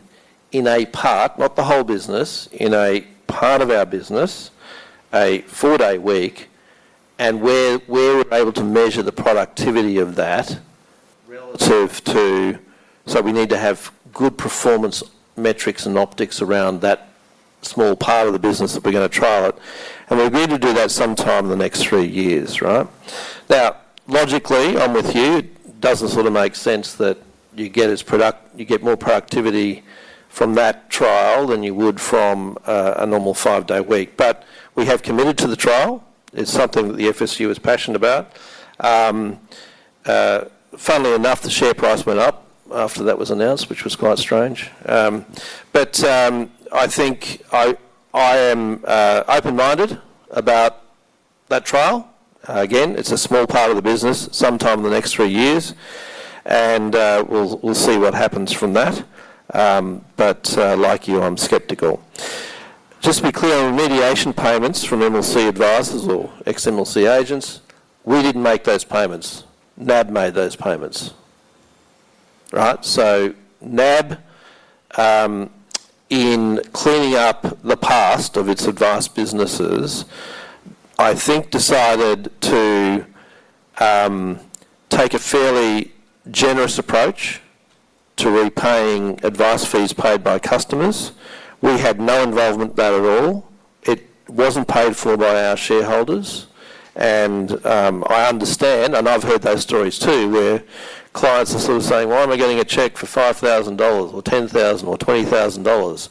in a part, not the whole business, in a part of our business, a four-day week, and we were able to measure the productivity of that relative to, so we need to have good performance metrics and optics around that small part of the business that we're going to trial it, and we agreed to do that sometime in the next three years, right? Now, logically, I'm with you. It doesn't sort of make sense that you get more productivity from that trial than you would from a normal five-day week. But we have committed to the trial. It's something that the FSU is passionate about. Funnily enough, the share price went up after that was announced, which was quite strange. But I think I am open-minded about that trial. Again, it's a small part of the business, sometime in the next three years, and we'll see what happens from that. But like you, I'm skeptical. Just to be clear, remediation payments from MLC advisors or ex-MLC agents, we didn't make those payments. NAB made those payments, right? So NAB, in cleaning up the past of its advice businesses, I think decided to take a fairly generous approach to repaying advice fees paid by customers. We had no involvement with that at all. It wasn't paid for by our shareholders, and I understand, and I've heard those stories too, where clients are sort of saying, "Why am I getting a check for 5,000 dollars or 10,000 or 20,000 dollars?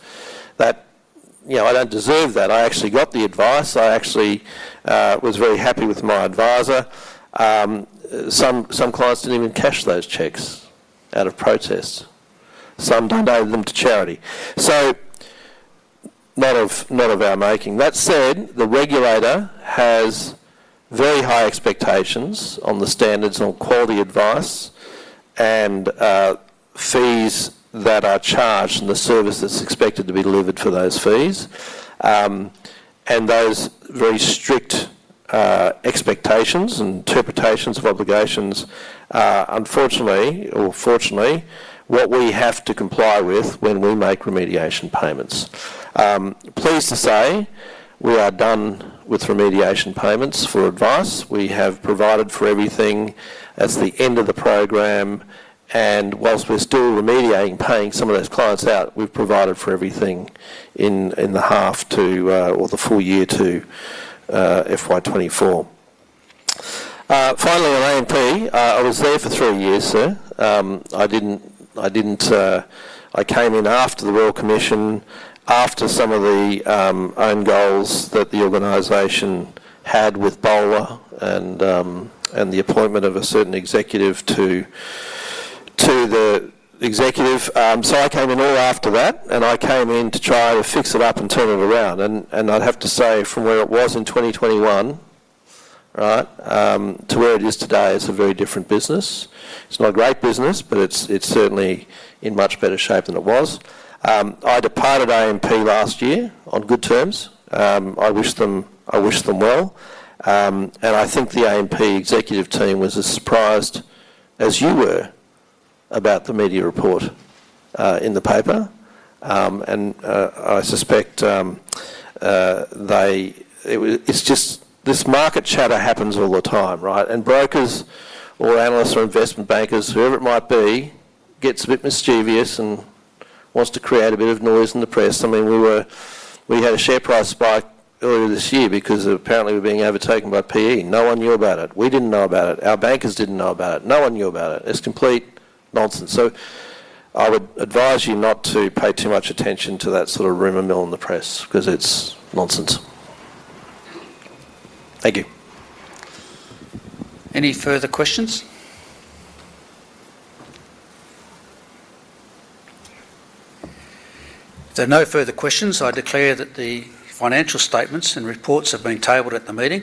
I don't deserve that. I actually got the advice. I actually was very happy with my advisor." Some clients didn't even cash those checks out of protest. Some donated them to charity, so not of our making. That said, the regulator has very high expectations on the standards on quality advice and fees that are charged and the services expected to be delivered for those fees, and those very strict expectations and interpretations of obligations, unfortunately or fortunately, what we have to comply with when we make remediation payments. Pleased to say, we are done with remediation payments for advice. We have provided for everything at the end of the program. And whilst we're still remediating paying some of those clients out, we've provided for everything in the half to or the full year to FY 2024. Finally, on A&P, I was there for three years, sir. I came in after the Royal Commission, after some of the own goals that the organization had with Bowler and the appointment of a certain executive to the executive. So I came in all after that, and I came in to try to fix it up and turn it around. And I'd have to say, from where it was in 2021, right, to where it is today, it's a very different business. It's not a great business, but it's certainly in much better shape than it was. I departed A&P last year on good terms. I wish them well. And I think the A&P executive team was as surprised as you were about the media report in the paper. And I suspect it's just this market chatter happens all the time, right? And brokers or analysts or investment bankers, whoever it might be, gets a bit mischievous and wants to create a bit of noise in the press. I mean, we had a share price spike earlier this year because apparently we were being overtaken by PE. No one knew about it. We didn't know about it. Our bankers didn't know about it. No one knew about it. It's complete nonsense. So I would advise you not to pay too much attention to that sort of rumor mill in the press because it's nonsense. Thank you. Any further questions? If there are no further questions, I declare that the financial statements and reports have been tabled at the meeting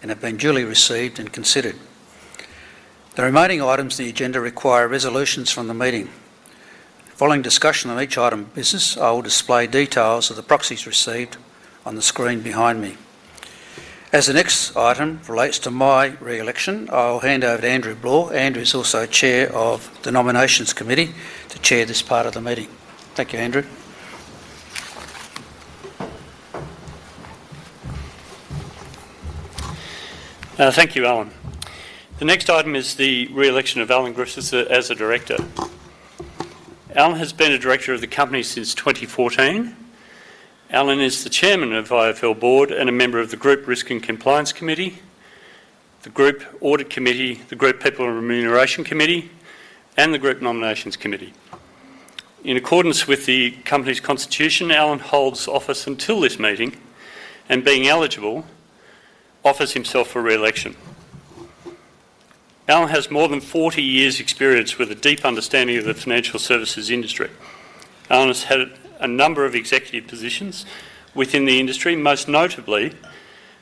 and have been duly received and considered. The remaining items in the agenda require resolutions from the meeting. Following discussion on each item of business, I will display details of the proxies received on the screen behind me. As the next item relates to my re-election, I'll hand over to Andrew Bloore. Andrew is also Chair of the Nominations Committee to chair this part of the meeting. Thank you, Andrew. Thank you, Allan. The next item is the re-election of Allan Griffiths as a director. Allan has been a director of the company since 2014. Allan is the Chairman of IFL Board and a member of the Group Risk and Compliance Committee, the Group Audit Committee, the Group People and Remuneration Committee, and the Group Nominations Committee. In accordance with the company's constitution, Allan holds office until this meeting and, being eligible, offers himself for re-election. Allan has more than 40 years experience with a deep understanding of the financial services industry. Allan has had a number of executive positions within the industry, most notably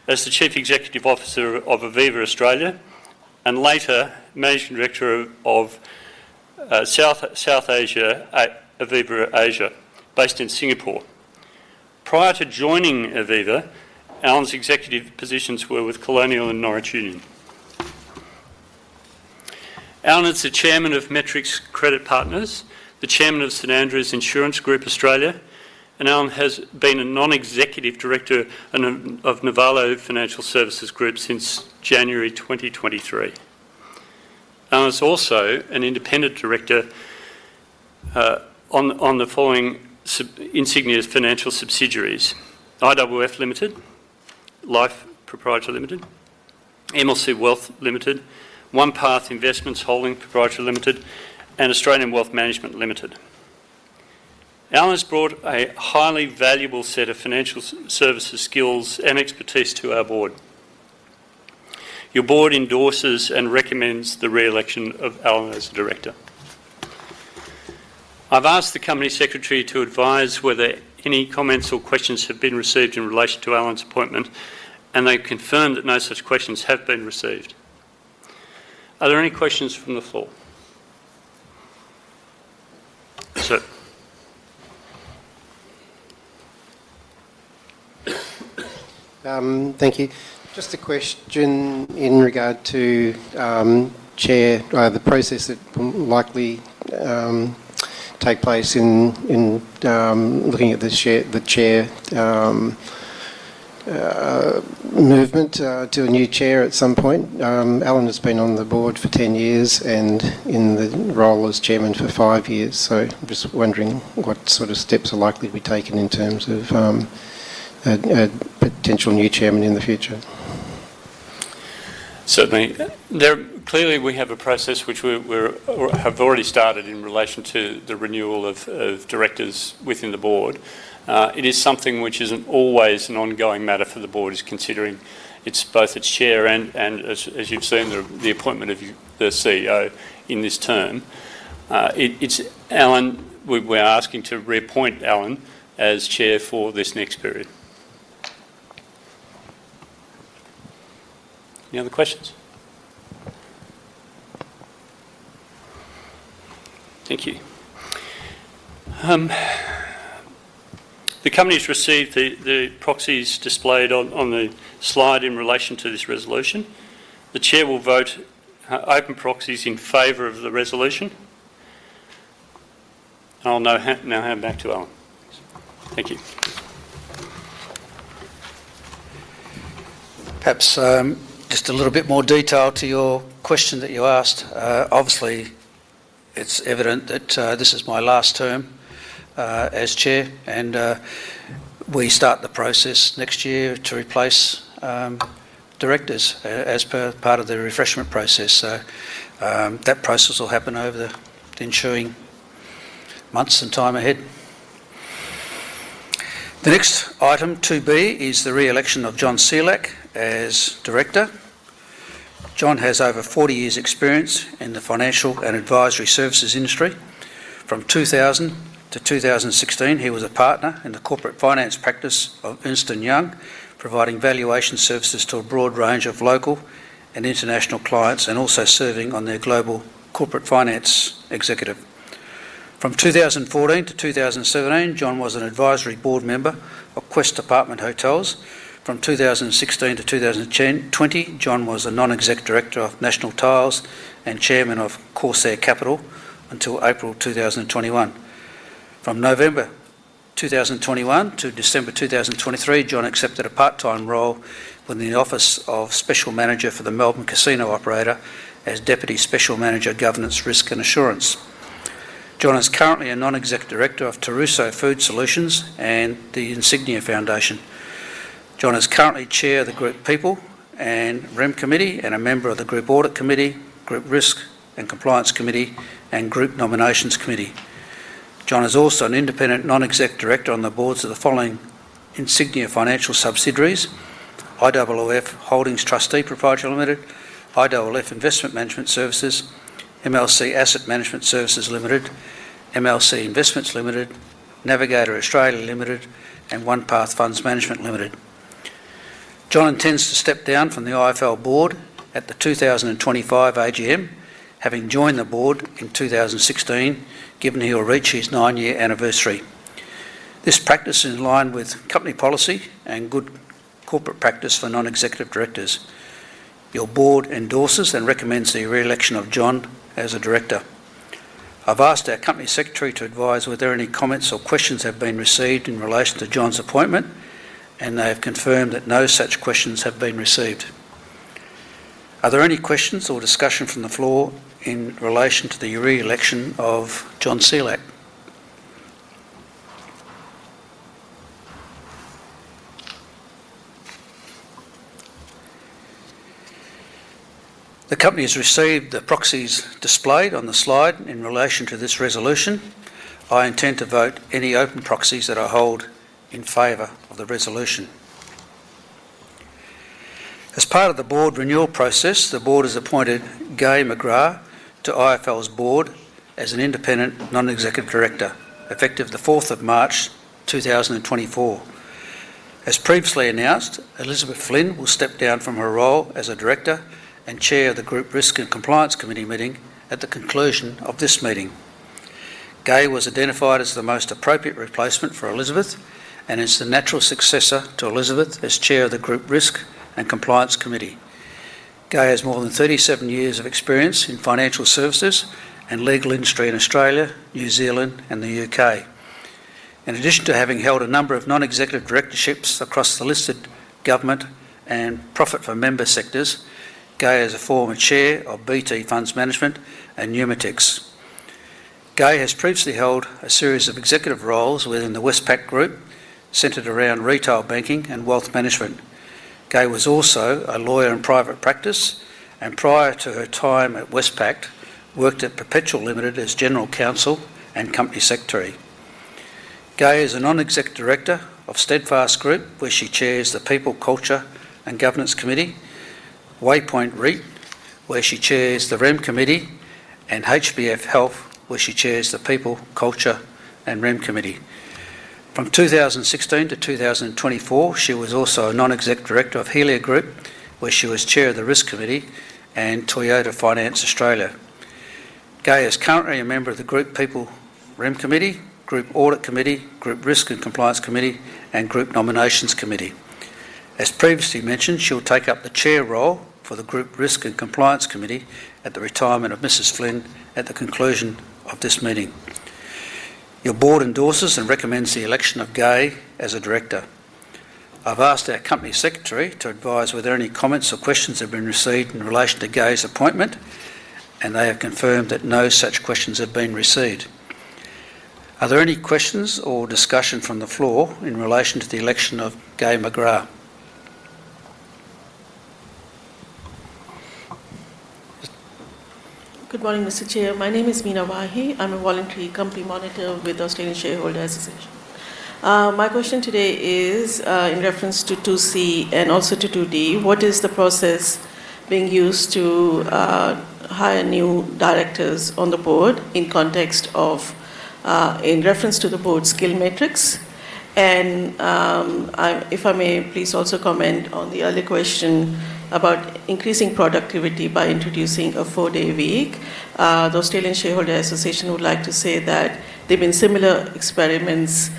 as the Chief Executive Officer of Aviva Australia and later Managing Director of South Asia at Aviva Asia, based in Singapore. Prior to joining Aviva, Allan's executive positions were with Colonial and Norwich Union. Allan is the Chairman of Metrics Credit Partners, the Chairman of St Andrews Insurance Group Australia, and Allan has been a Non-executive Director of Nivalo Financial Services Group since January 2023. Allan is also an independent Director on the following Insignia's financial subsidiaries: IOOF Limited, Life Pty Limited, MLC Wealth Limited, OnePath Investment Holdings Pty Limited, and Australian Wealth Management Limited. Allan has brought a highly valuable set of financial services skills and expertise to our board. Your board endorses and recommends the re-election of Allan as a director. I've asked the company secretary to advise whether any comments or questions have been received in relation to Allan's appointment, and they confirm that no such questions have been received. Are there any questions from the floor? Sir. Thank you. Just a question in regard to the process that will likely take place in looking at the chair movement to a new chair at some point. Allan has been on the board for 10 years and in the role as Chairman for five years. So I'm just wondering what sort of steps are likely to be taken in terms of a potential new chairman in the future? Certainly. Clearly, we have a process which we have already started in relation to the renewal of directors within the board. It is something which isn't always an ongoing matter for the board is considering. It's both its chair and, as you've seen, the appointment of the CEO in this term. We are asking to reappoint Allan as Chair for this next period. Any other questions? Thank you. The company has received the proxies displayed on the slide in relation to this resolution. The chair will vote open proxies in favor of the resolution. I'll now hand back to Allan. Thank you. Perhaps just a little bit more detail to your question that you asked. Obviously, it's evident that this is my last term as Chair, and we start the process next year to replace directors as part of the refreshment process. So that process will happen over the ensuing months and time ahead. The next item, 2B, is the re-election of John Selak as director. John has over 40 years experience in the financial and advisory services industry. From 2000 to 2016, he was a partner in the corporate finance practice of Ernst & Young, providing valuation services to a broad range of local and international clients and also serving on their global corporate finance executive. From 2014 to 2017, John was an Advisory Board Member of Quest Apartment Hotels. From 2016 to 2020, John was a Non-exec Director of National Tiles and Chairman of Corsair Capital until April 2021. From November 2021 to December 2023, John accepted a part-time role within the office of special manager for the Melbourne Casino Operator as Deputy Special Manager governance risk and assurance. John is currently a Non-exec Director of Turosi Food Solutions and the Insignia Community Foundation. John is currently Chair of the Group People and Remuneration Committee and a member of the Group Audit Committee, Group Risk and Compliance Committee, and Group Nominations Committee. John is also an Independent Non-exec Director on the boards of the following Insignia Financial subsidiaries: IOOF Holdings Trustee Pty Ltd, IOOF Investment Management Services, MLC Asset Management Limited, MLC Investments Limited, Navigator Australia Limited, and OnePath Funds Management Limited. John intends to step down from the IFL board at the 2025 AGM, having joined the board in 2016, given he will reach his nine-year anniversary. This practice is in line with company policy and good corporate practice for non-executive directors. Your board endorses and recommends the re-election of John as a director. I've asked our company secretary to advise whether any comments or questions have been received in relation to John's appointment, and they have confirmed that no such questions have been received. Are there any questions or discussion from the floor in relation to the re-election of John Selak? The company has received the proxies displayed on the slide in relation to this resolution. I intend to vote any open proxies that I hold in favor of the resolution. As part of the board renewal process, the board has appointed Gai McGrath to IFL's board as an independent non-executive director, effective 4 March 2024. As previously announced, Elizabeth Flynn will step down from her role as a director and chair of the Group Risk and Compliance Committee, at the conclusion of this meeting. Gai was identified as the most appropriate replacement for Elizabeth and is the natural successor to Elizabeth as chair of the Group Risk and Compliance Committee. Gai has more than 37 years of experience in financial services and legal industry in Australia, New Zealand, and the U.K. In addition to having held a number of non-executive directorships across the listed, government, and not-for-profit sectors, Gai is a former chair of BT Funds Management and Humanitix. Gai has previously held a series of executive roles within the Westpac Group centered around retail banking and wealth management. Gai was also a lawyer in private practice and, prior to her time at Westpac, worked at Perpetual Limited as General Counsel and Company Secretary. Gai is a Non-exec Director of Steadfast Group, where she chairs the People, Culture and Governance Committee, Waypoint REIT, where she chairs the Risk Committee, and HBF Health, where she chairs the People, Culture and Risk Committee. From 2016 to 2024, she was also a Non-exec Director of Helia Group, where she was Chair of the Risk Committee and Toyota Finance Australia. Gai is currently a member of the Group People Risk Committee, Group Audit Committee, Group Risk and Compliance Committee, and Group Nominations Committee. As previously mentioned, she will take up the Chair role for the Group Risk and Compliance Committee at the retirement of Mrs. Flynn at the conclusion of this meeting. Our board endorses and recommends the election of Gai as a director. I've asked our company secretary to advise whether any comments or questions have been received in relation to Gai's appointment, and they have confirmed that no such questions have been received. Are there any questions or discussion from the floor in relation to the election of Gai McGrath? Good morning, Mr. Chair. My name is Meena Wahi. I'm a voluntary company monitor with the Australian Shareholders' Association. My question today is, in reference to 2C and also to 2D, what is the process being used to hire new directors on the board in context of, in reference to the board skill metrics? And if I may, please also comment on the earlier question about increasing productivity by introducing a four-day week. The Australian Shareholders' Association would like to say that there have been similar experiments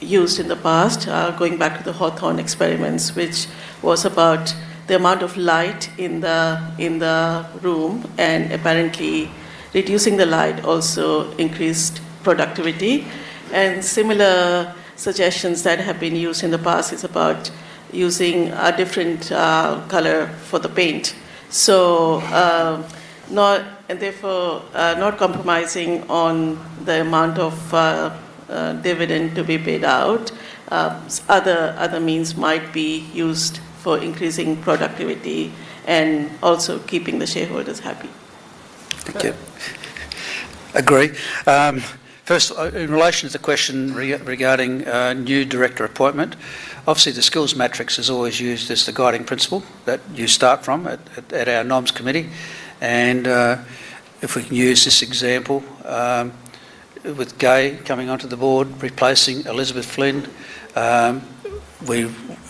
used in the past, going back to the Hawthorne experiments, which was about the amount of light in the room, and apparently reducing the light also increased productivity. And similar suggestions that have been used in the past is about using a different color for the paint. Therefore, not compromising on the amount of dividend to be paid out, other means might be used for increasing productivity and also keeping the shareholders happy. Thank you. Agree. First, in relation to the question regarding new director appointment, obviously the skills matrix is always used as the guiding principle that you start from at our NOMS committee, and if we can use this example with Gai coming onto the board, replacing Elizabeth Flynn, we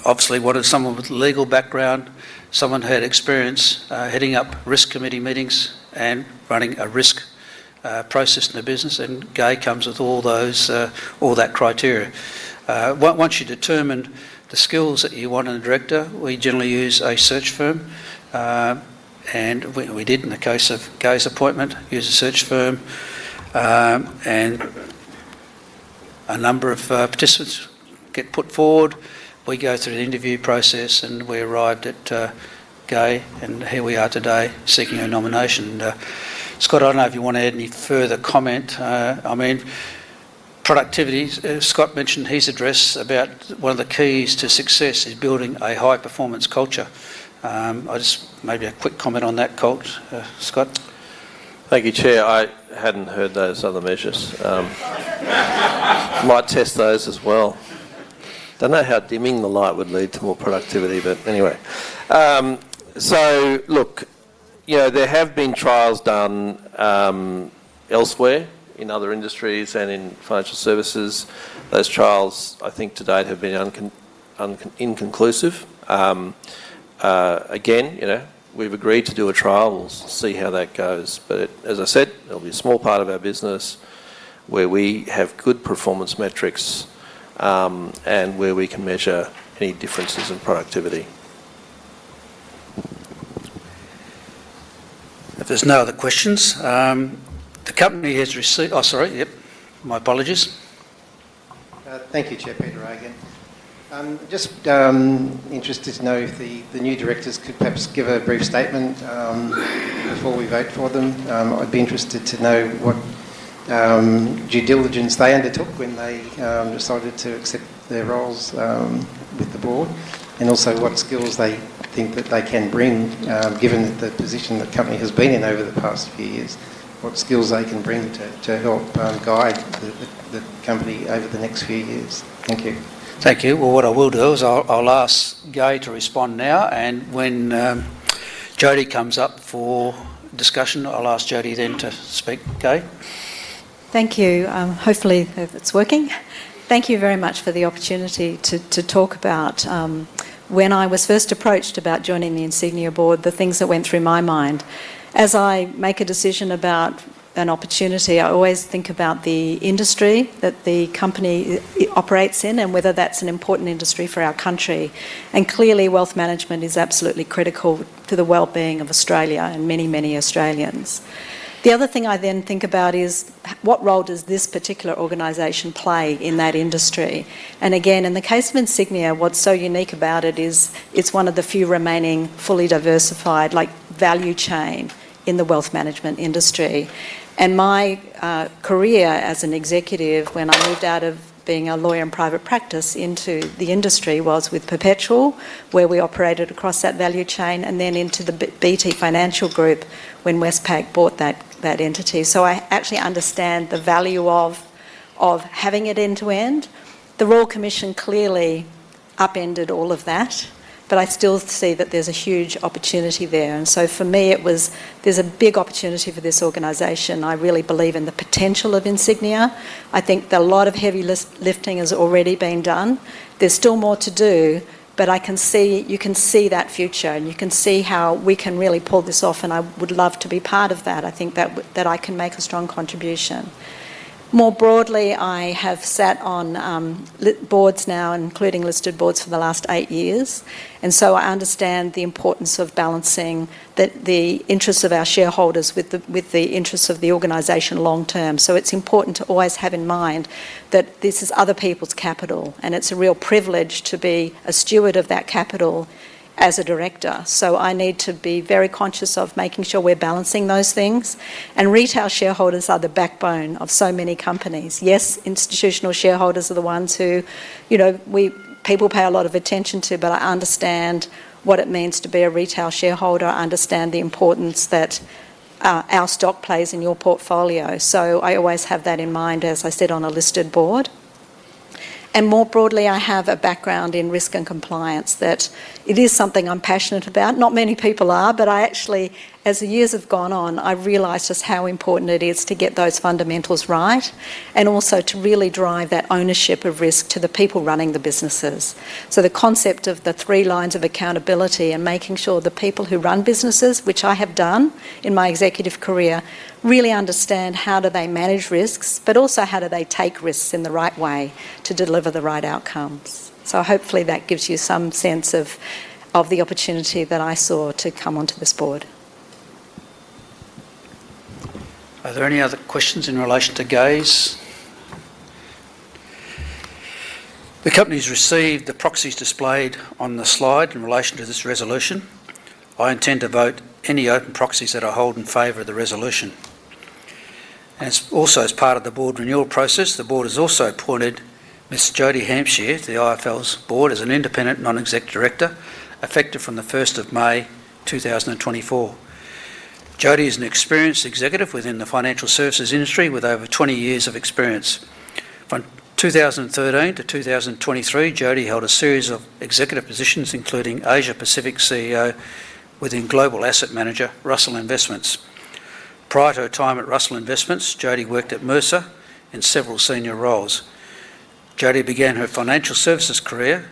obviously wanted someone with a legal background, someone who had experience heading up risk committee meetings and running a risk process in the business, and Gai comes with all that criteria. Once you determine the skills that you want in a director, we generally use a search firm, and we did in the case of Gai's appointment, use a search firm, and a number of participants get put forward. We go through the interview process, and we arrived at Gai and here we are today seeking her nomination. Scott, I don't know if you want to add any further comment. I mean, productivity. Scott mentioned his address about one of the keys to success is building a high-performance culture. Maybe a quick comment on that, Scott. Thank you, Chair. I hadn't heard those other measures. Might test those as well. Don't know how dimming the light would lead to more productivity, but anyway. So look, there have been trials done elsewhere in other industries and in financial services. Those trials, I think to date, have been inconclusive. Again, we've agreed to do a trial. We'll see how that goes. But as I said, it'll be a small part of our business where we have good performance metrics and where we can measure any differences in productivity. If there's no other questions, the company has received. Oh, sorry. Yep. My apologies. Thank you, Chair, Peter Agan. Just interested to know if the new directors could perhaps give a brief statement before we vote for them? I'd be interested to know what due diligence they undertook when they decided to accept their roles with the board and also what skills they think that they can bring, given the position the company has been in over the past few years, what skills they can bring to help guide the company over the next few years. Thank you. Thank you. Well, what I will do is I'll ask Gai to respond now, and when Jodie comes up for discussion, I'll ask Jodie then to speak. Gai? Thank you. Hopefully, it's working. Thank you very much for the opportunity to talk about when I was first approached about joining the Insignia board, the things that went through my mind. As I make a decision about an opportunity, I always think about the industry that the company operates in and whether that's an important industry for our country. Clearly, wealth management is absolutely critical to the well-being of Australia and many, many Australians. The other thing I then think about is what role does this particular organization play in that industry? Again, in the case of Insignia, what's so unique about it is it's one of the few remaining fully diversified value chain in the wealth management industry. And my career as an executive, when I moved out of being a lawyer in private practice into the industry, was with Perpetual, where we operated across that value chain, and then into the BT Financial Group when Westpac bought that entity. So I actually understand the value of having it end to end. The Royal Commission clearly upended all of that, but I still see that there's a huge opportunity there. And so for me, there's a big opportunity for this organization. I really believe in the potential of Insignia. I think a lot of heavy lifting has already been done. There's still more to do, but you can see that future, and you can see how we can really pull this off, and I would love to be part of that. I think that I can make a strong contribution. More broadly, I have sat on boards now, including listed boards, for the last eight years. And so I understand the importance of balancing the interests of our shareholders with the interests of the organization long term. So it's important to always have in mind that this is other people's capital, and it's a real privilege to be a steward of that capital as a director. So I need to be very conscious of making sure we're balancing those things. And retail shareholders are the backbone of so many companies. Yes, institutional shareholders are the ones who people pay a lot of attention to, but I understand what it means to be a retail shareholder. I understand the importance that our stock plays in your portfolio. So I always have that in mind, as I said, on a listed board. And more broadly, I have a background in risk and compliance that it is something I'm passionate about. Not many people are, but actually, as the years have gone on, I've realized just how important it is to get those fundamentals right and also to really drive that ownership of risk to the people running the businesses. So the concept of the three lines of accountability and making sure the people who run businesses, which I have done in my executive career, really understand how do they manage risks, but also how do they take risks in the right way to deliver the right outcomes. So hopefully that gives you some sense of the opportunity that I saw to come onto this board. Are there any other questions in relation to Gai's? The company has received the proxies displayed on the slide in relation to this resolution. I intend to vote any open proxies that I hold in favor of the resolution. And also, as part of the board renewal process, the board has also appointed Ms. Jodie Hampshire to the IFL's board as an independent non-executive director, effective from 1 May 2024. Jodie is an experienced executive within the financial services industry with over 20 years of experience. From 2013 to 2023, Jodie held a series of executive positions, including Asia-Pacific CEO within Global Asset Manager, Russell Investments. Prior to her time at Russell Investments, Jodie worked at Mercer in several senior roles. Jodie began her financial services career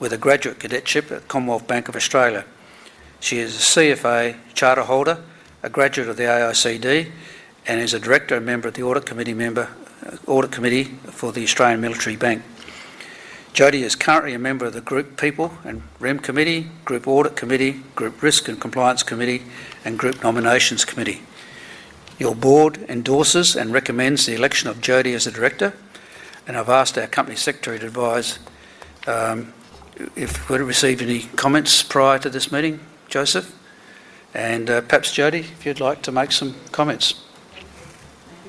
with a graduate cadetship at Commonwealth Bank of Australia. She is a CFA charter holder, a graduate of the AICD, and is a director and member of the Audit Committee for the Australian Military Bank. Jodie is currently a member of the Group People and Remuneration Committee, Group Audit Committee, Group Risk and Compliance Committee, and Group Nominations Committee. Your board endorses and recommends the election of Jodie as a director, and I've asked our company secretary to advise if we're to receive any comments prior to this meeting, Joseph. Perhaps Jodie, if you'd like to make some comments.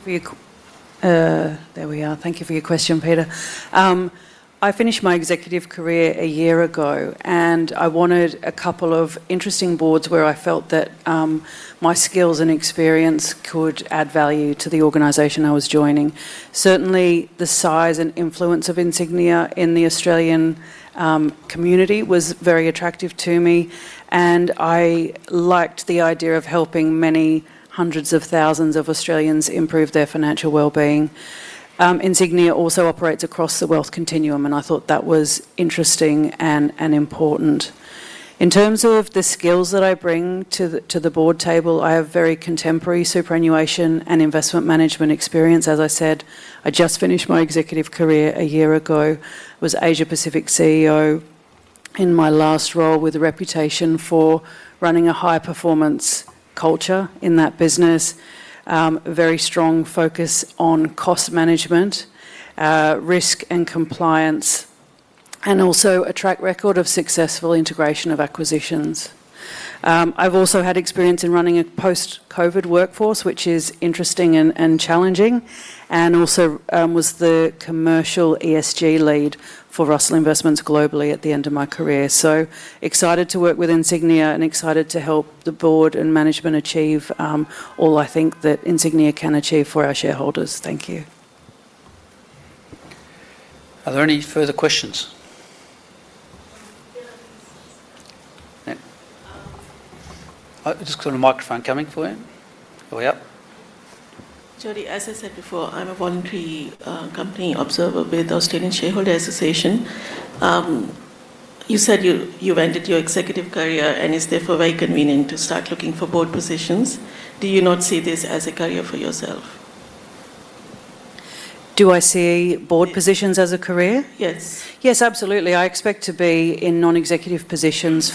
There we are. Thank you for your question, Peter. I finished my executive career a year ago, and I wanted a couple of interesting boards where I felt that my skills and experience could add value to the organization I was joining. Certainly, the size and influence of Insignia in the Australian community was very attractive to me, and I liked the idea of helping many hundreds of thousands of Australians improve their financial well-being. Insignia also operates across the wealth continuum, and I thought that was interesting and important. In terms of the skills that I bring to the board table, I have very contemporary superannuation and investment management experience. As I said, I just finished my executive career a year ago, was Asia-Pacific CEO in my last role with a reputation for running a high-performance culture in that business, very strong focus on cost management, risk and compliance, and also a track record of successful integration of acquisitions. I've also had experience in running a post-COVID workforce, which is interesting and challenging, and also was the commercial ESG lead for Russell Investments globally at the end of my career. So excited to work with Insignia and excited to help the board and management achieve all I think that Insignia can achieve for our shareholders. Thank you. Are there any further questions? Just got a microphone coming for you. Are we up? Jodie, as I said before, I'm a voluntary company observer with the Australian Shareholders' Association. You said you've ended your executive career, and is therefore very convenient to start looking for board positions. Do you not see this as a career for yourself? Do I see board positions as a career? Yes. Yes, absolutely. I expect to be in non-executive positions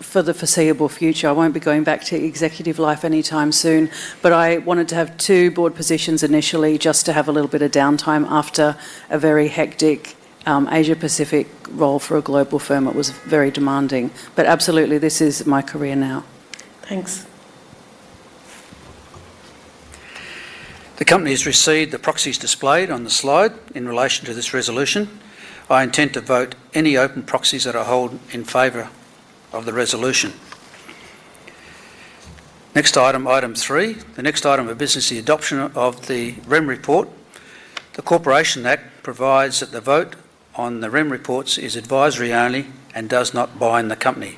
for the foreseeable future. I won't be going back to executive life anytime soon, but I wanted to have two board positions initially just to have a little bit of downtime after a very hectic Asia-Pacific role for a global firm that was very demanding. But absolutely, this is my career now. Thanks. The company has received the proxies displayed on the slide in relation to this resolution. I intend to vote any open proxies that I hold in favor of the resolution. Nenxt item, item three. The next item of business is the adoption of the Rem Report. The Corporations Act provides that the vote on the Rem Reports is advisory only and does not bind the company.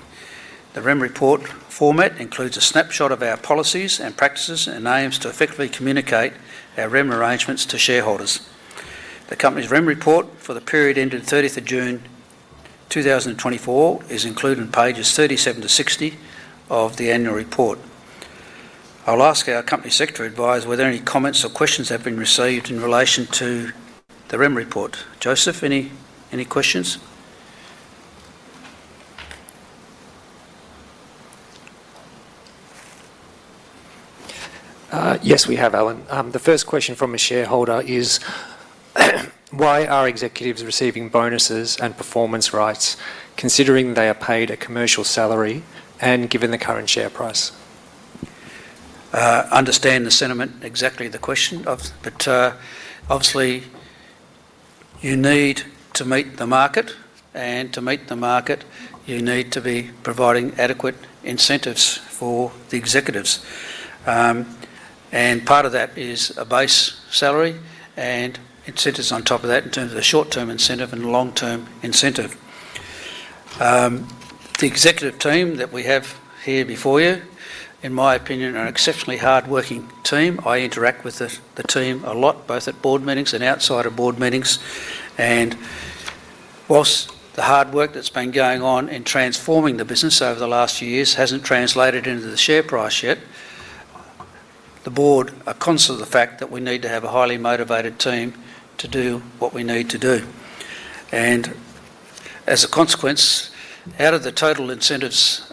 The Rem Report format includes a snapshot of our policies and practices and aims to effectively communicate our Rem arrangements to shareholders. The company's Rem Report for the period ending 30 June 2024 is included in pages 37-60 of the annual report. I'll ask our Company Secretary, Adriana, whether any comments or questions have been received in relation to the Rem Report. Joseph, any questions? Yes, we have, Allan. The first question from a shareholder is, why are executives receiving bonuses and performance rights considering they are paid a commercial salary and given the current share price? I understand the sentiment exactly of the question, but obviously, you need to meet the market, and to meet the market, you need to be providing adequate incentives for the executives. And part of that is a base salary and incentives on top of that in terms of the short-term incentive and long-term incentive. The executive team that we have here before you, in my opinion, are an exceptionally hardworking team. I interact with the team a lot, both at board meetings and outside of board meetings. And whilst the hard work that's been going on in transforming the business over the last few years hasn't translated into the share price yet, the board are conscious of the fact that we need to have a highly motivated team to do what we need to do. As a consequence, out of the total incentives,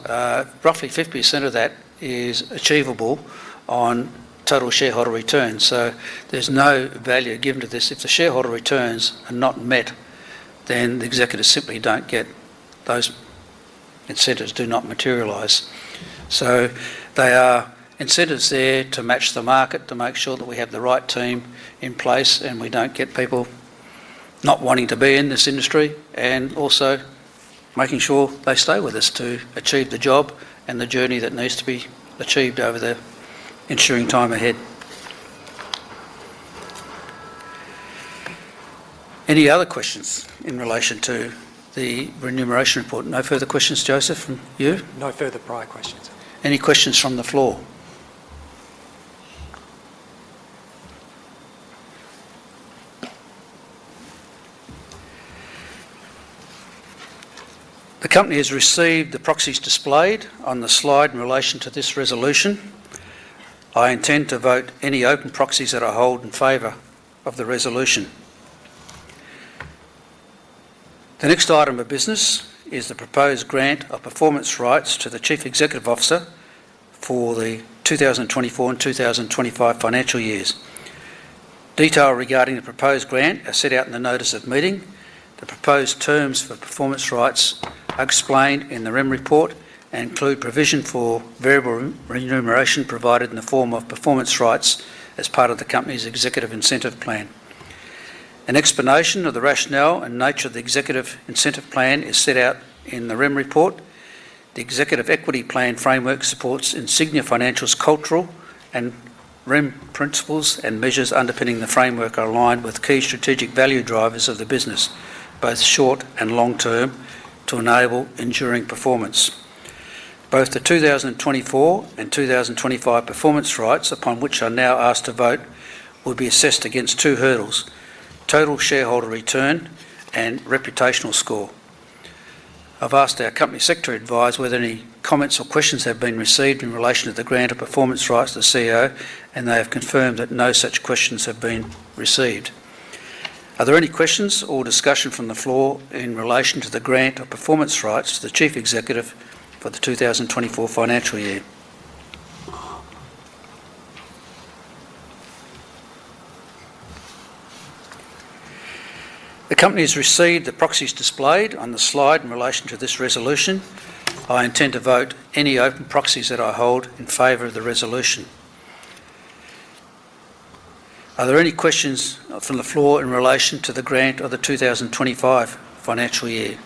roughly 50% of that is achievable on total shareholder return. So there's no value given to this. If the shareholder returns are not met, then the executives simply don't get those incentives, do not materialize. So there are incentives there to match the market, to make sure that we have the right team in place, and we don't get people not wanting to be in this industry and also making sure they stay with us to achieve the job and the journey that needs to be achieved over the ensuing time ahead. Any other questions in relation to the remuneration report? No further questions, Joseph, from you? No further prior questions. Any questions from the floor? The company has received the proxies displayed on the slide in relation to this resolution. I intend to vote any open proxies that I hold in favor of the resolution. The next item of business is the proposed grant of performance rights to the Chief Executive Officer for the 2024 and 2025 financial years. Detail regarding the proposed grant is set out in the notice of meeting. The proposed terms for performance rights are explained in the Rem Report and include provision for variable remuneration provided in the form of performance rights as part of the company's executive incentive plan. An explanation of the rationale and nature of the executive incentive plan is set out in the Rem Report. The executive equity plan framework supports Insignia Financial's cultural and Rem principles and measures underpinning the framework are aligned with key strategic value drivers of the business, both short and long term, to enable enduring performance. Both the 2024 and 2025 performance rights, upon which I'm now asked to vote, will be assessed against two hurdles: total shareholder return and reputational score. I've asked our company secretary advisor whether any comments or questions have been received in relation to the grant of performance rights to the CEO, and they have confirmed that no such questions have been received. Are there any questions or discussion from the floor in relation to the grant of performance rights to the Chief Executive for the 2024 financial year? The company has received the proxies displayed on the slide in relation to this resolution. I intend to vote any open proxies that I hold in favor of the resolution. Are there any questions from the floor in relation to the grant of the 2025 financial year?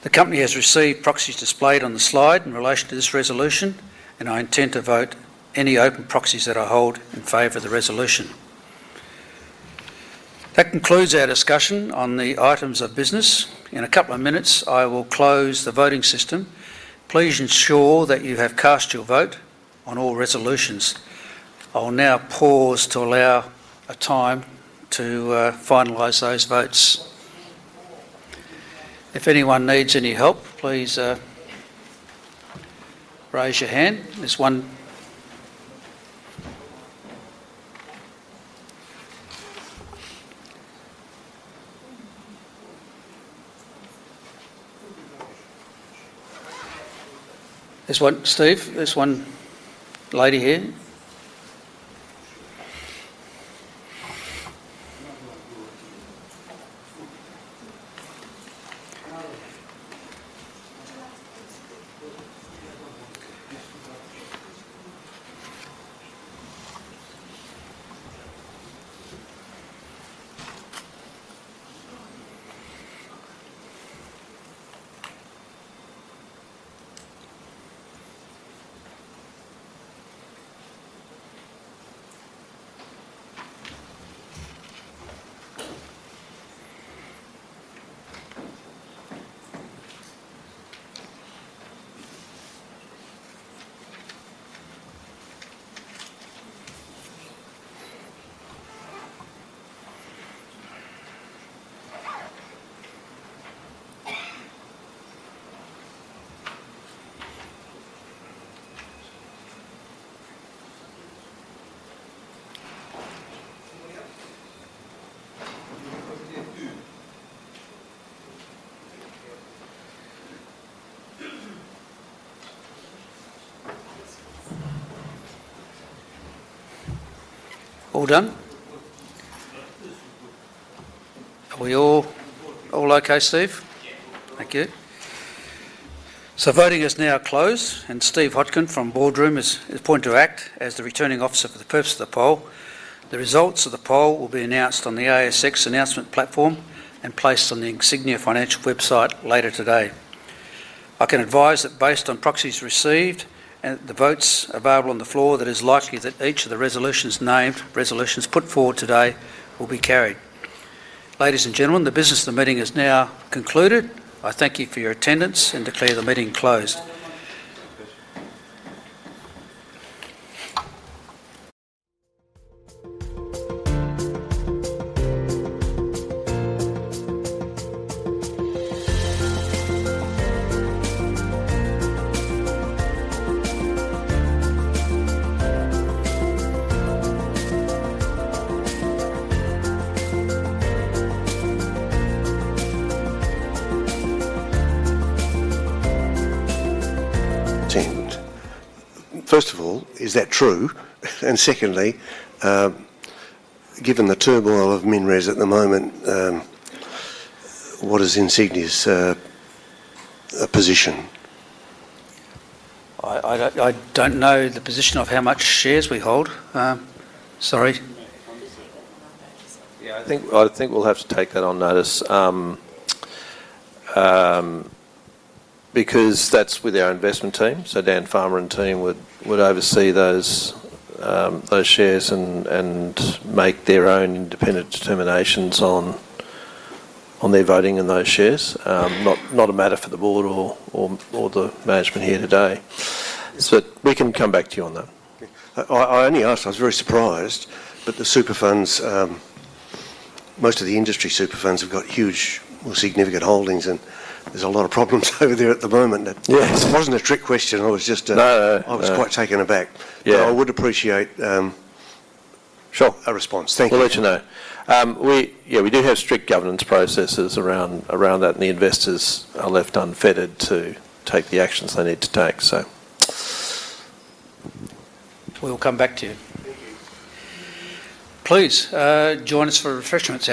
The company has received proxies displayed on the slide in relation to this resolution, and I intend to vote any open proxies that I hold in favor of the resolution. That concludes our discussion on the items of business. In a couple of minutes, I will close the voting system. Please ensure that you have cast your vote on all resolutions. I will now pause to allow a time to finalize those votes. If anyone needs any help, please raise your hand. There's one. There's one, Steve. There's one lady here. All done? All okay, Steve? Thank you. So voting is now closed, and Steve Hodgkin from Boardroom is appointed to act as the returning officer for the purpose of the poll. The results of the poll will be announced on the ASX announcement platform and placed on the Insignia Financial website later today. I can advise that based on proxies received and the votes available on the floor, that it is likely that each of the resolutions put forward today will be carried. Ladies and gentlemen, the business of the meeting is now concluded. I thank you for your attendance and declare the meeting closed. First of all, is that true? And secondly, given the turmoil of MinRes at the moment, what is Insignia's position? I don't know the position of how much shares we hold. Sorry. Yeah, I think we'll have to take that on notice because that's with our investment team. So Dan Farmer and team would oversee those shares and make their own independent determinations on their voting and those shares. Not a matter for the board or the management here today. But we can come back to you on that. I only asked, I was very surprised, but the super funds, most of the industry super funds have got huge, significant holdings, and there's a lot of problems over there at the moment. It wasn't a trick question. I was quite taken aback. But I would appreciate a response. Thank you. We'll let you know. Yeah, we do have strict governance processes around that, and the investors are left unfettered to take the actions they need to take, so. We'll come back to you. Please join us for refreshments.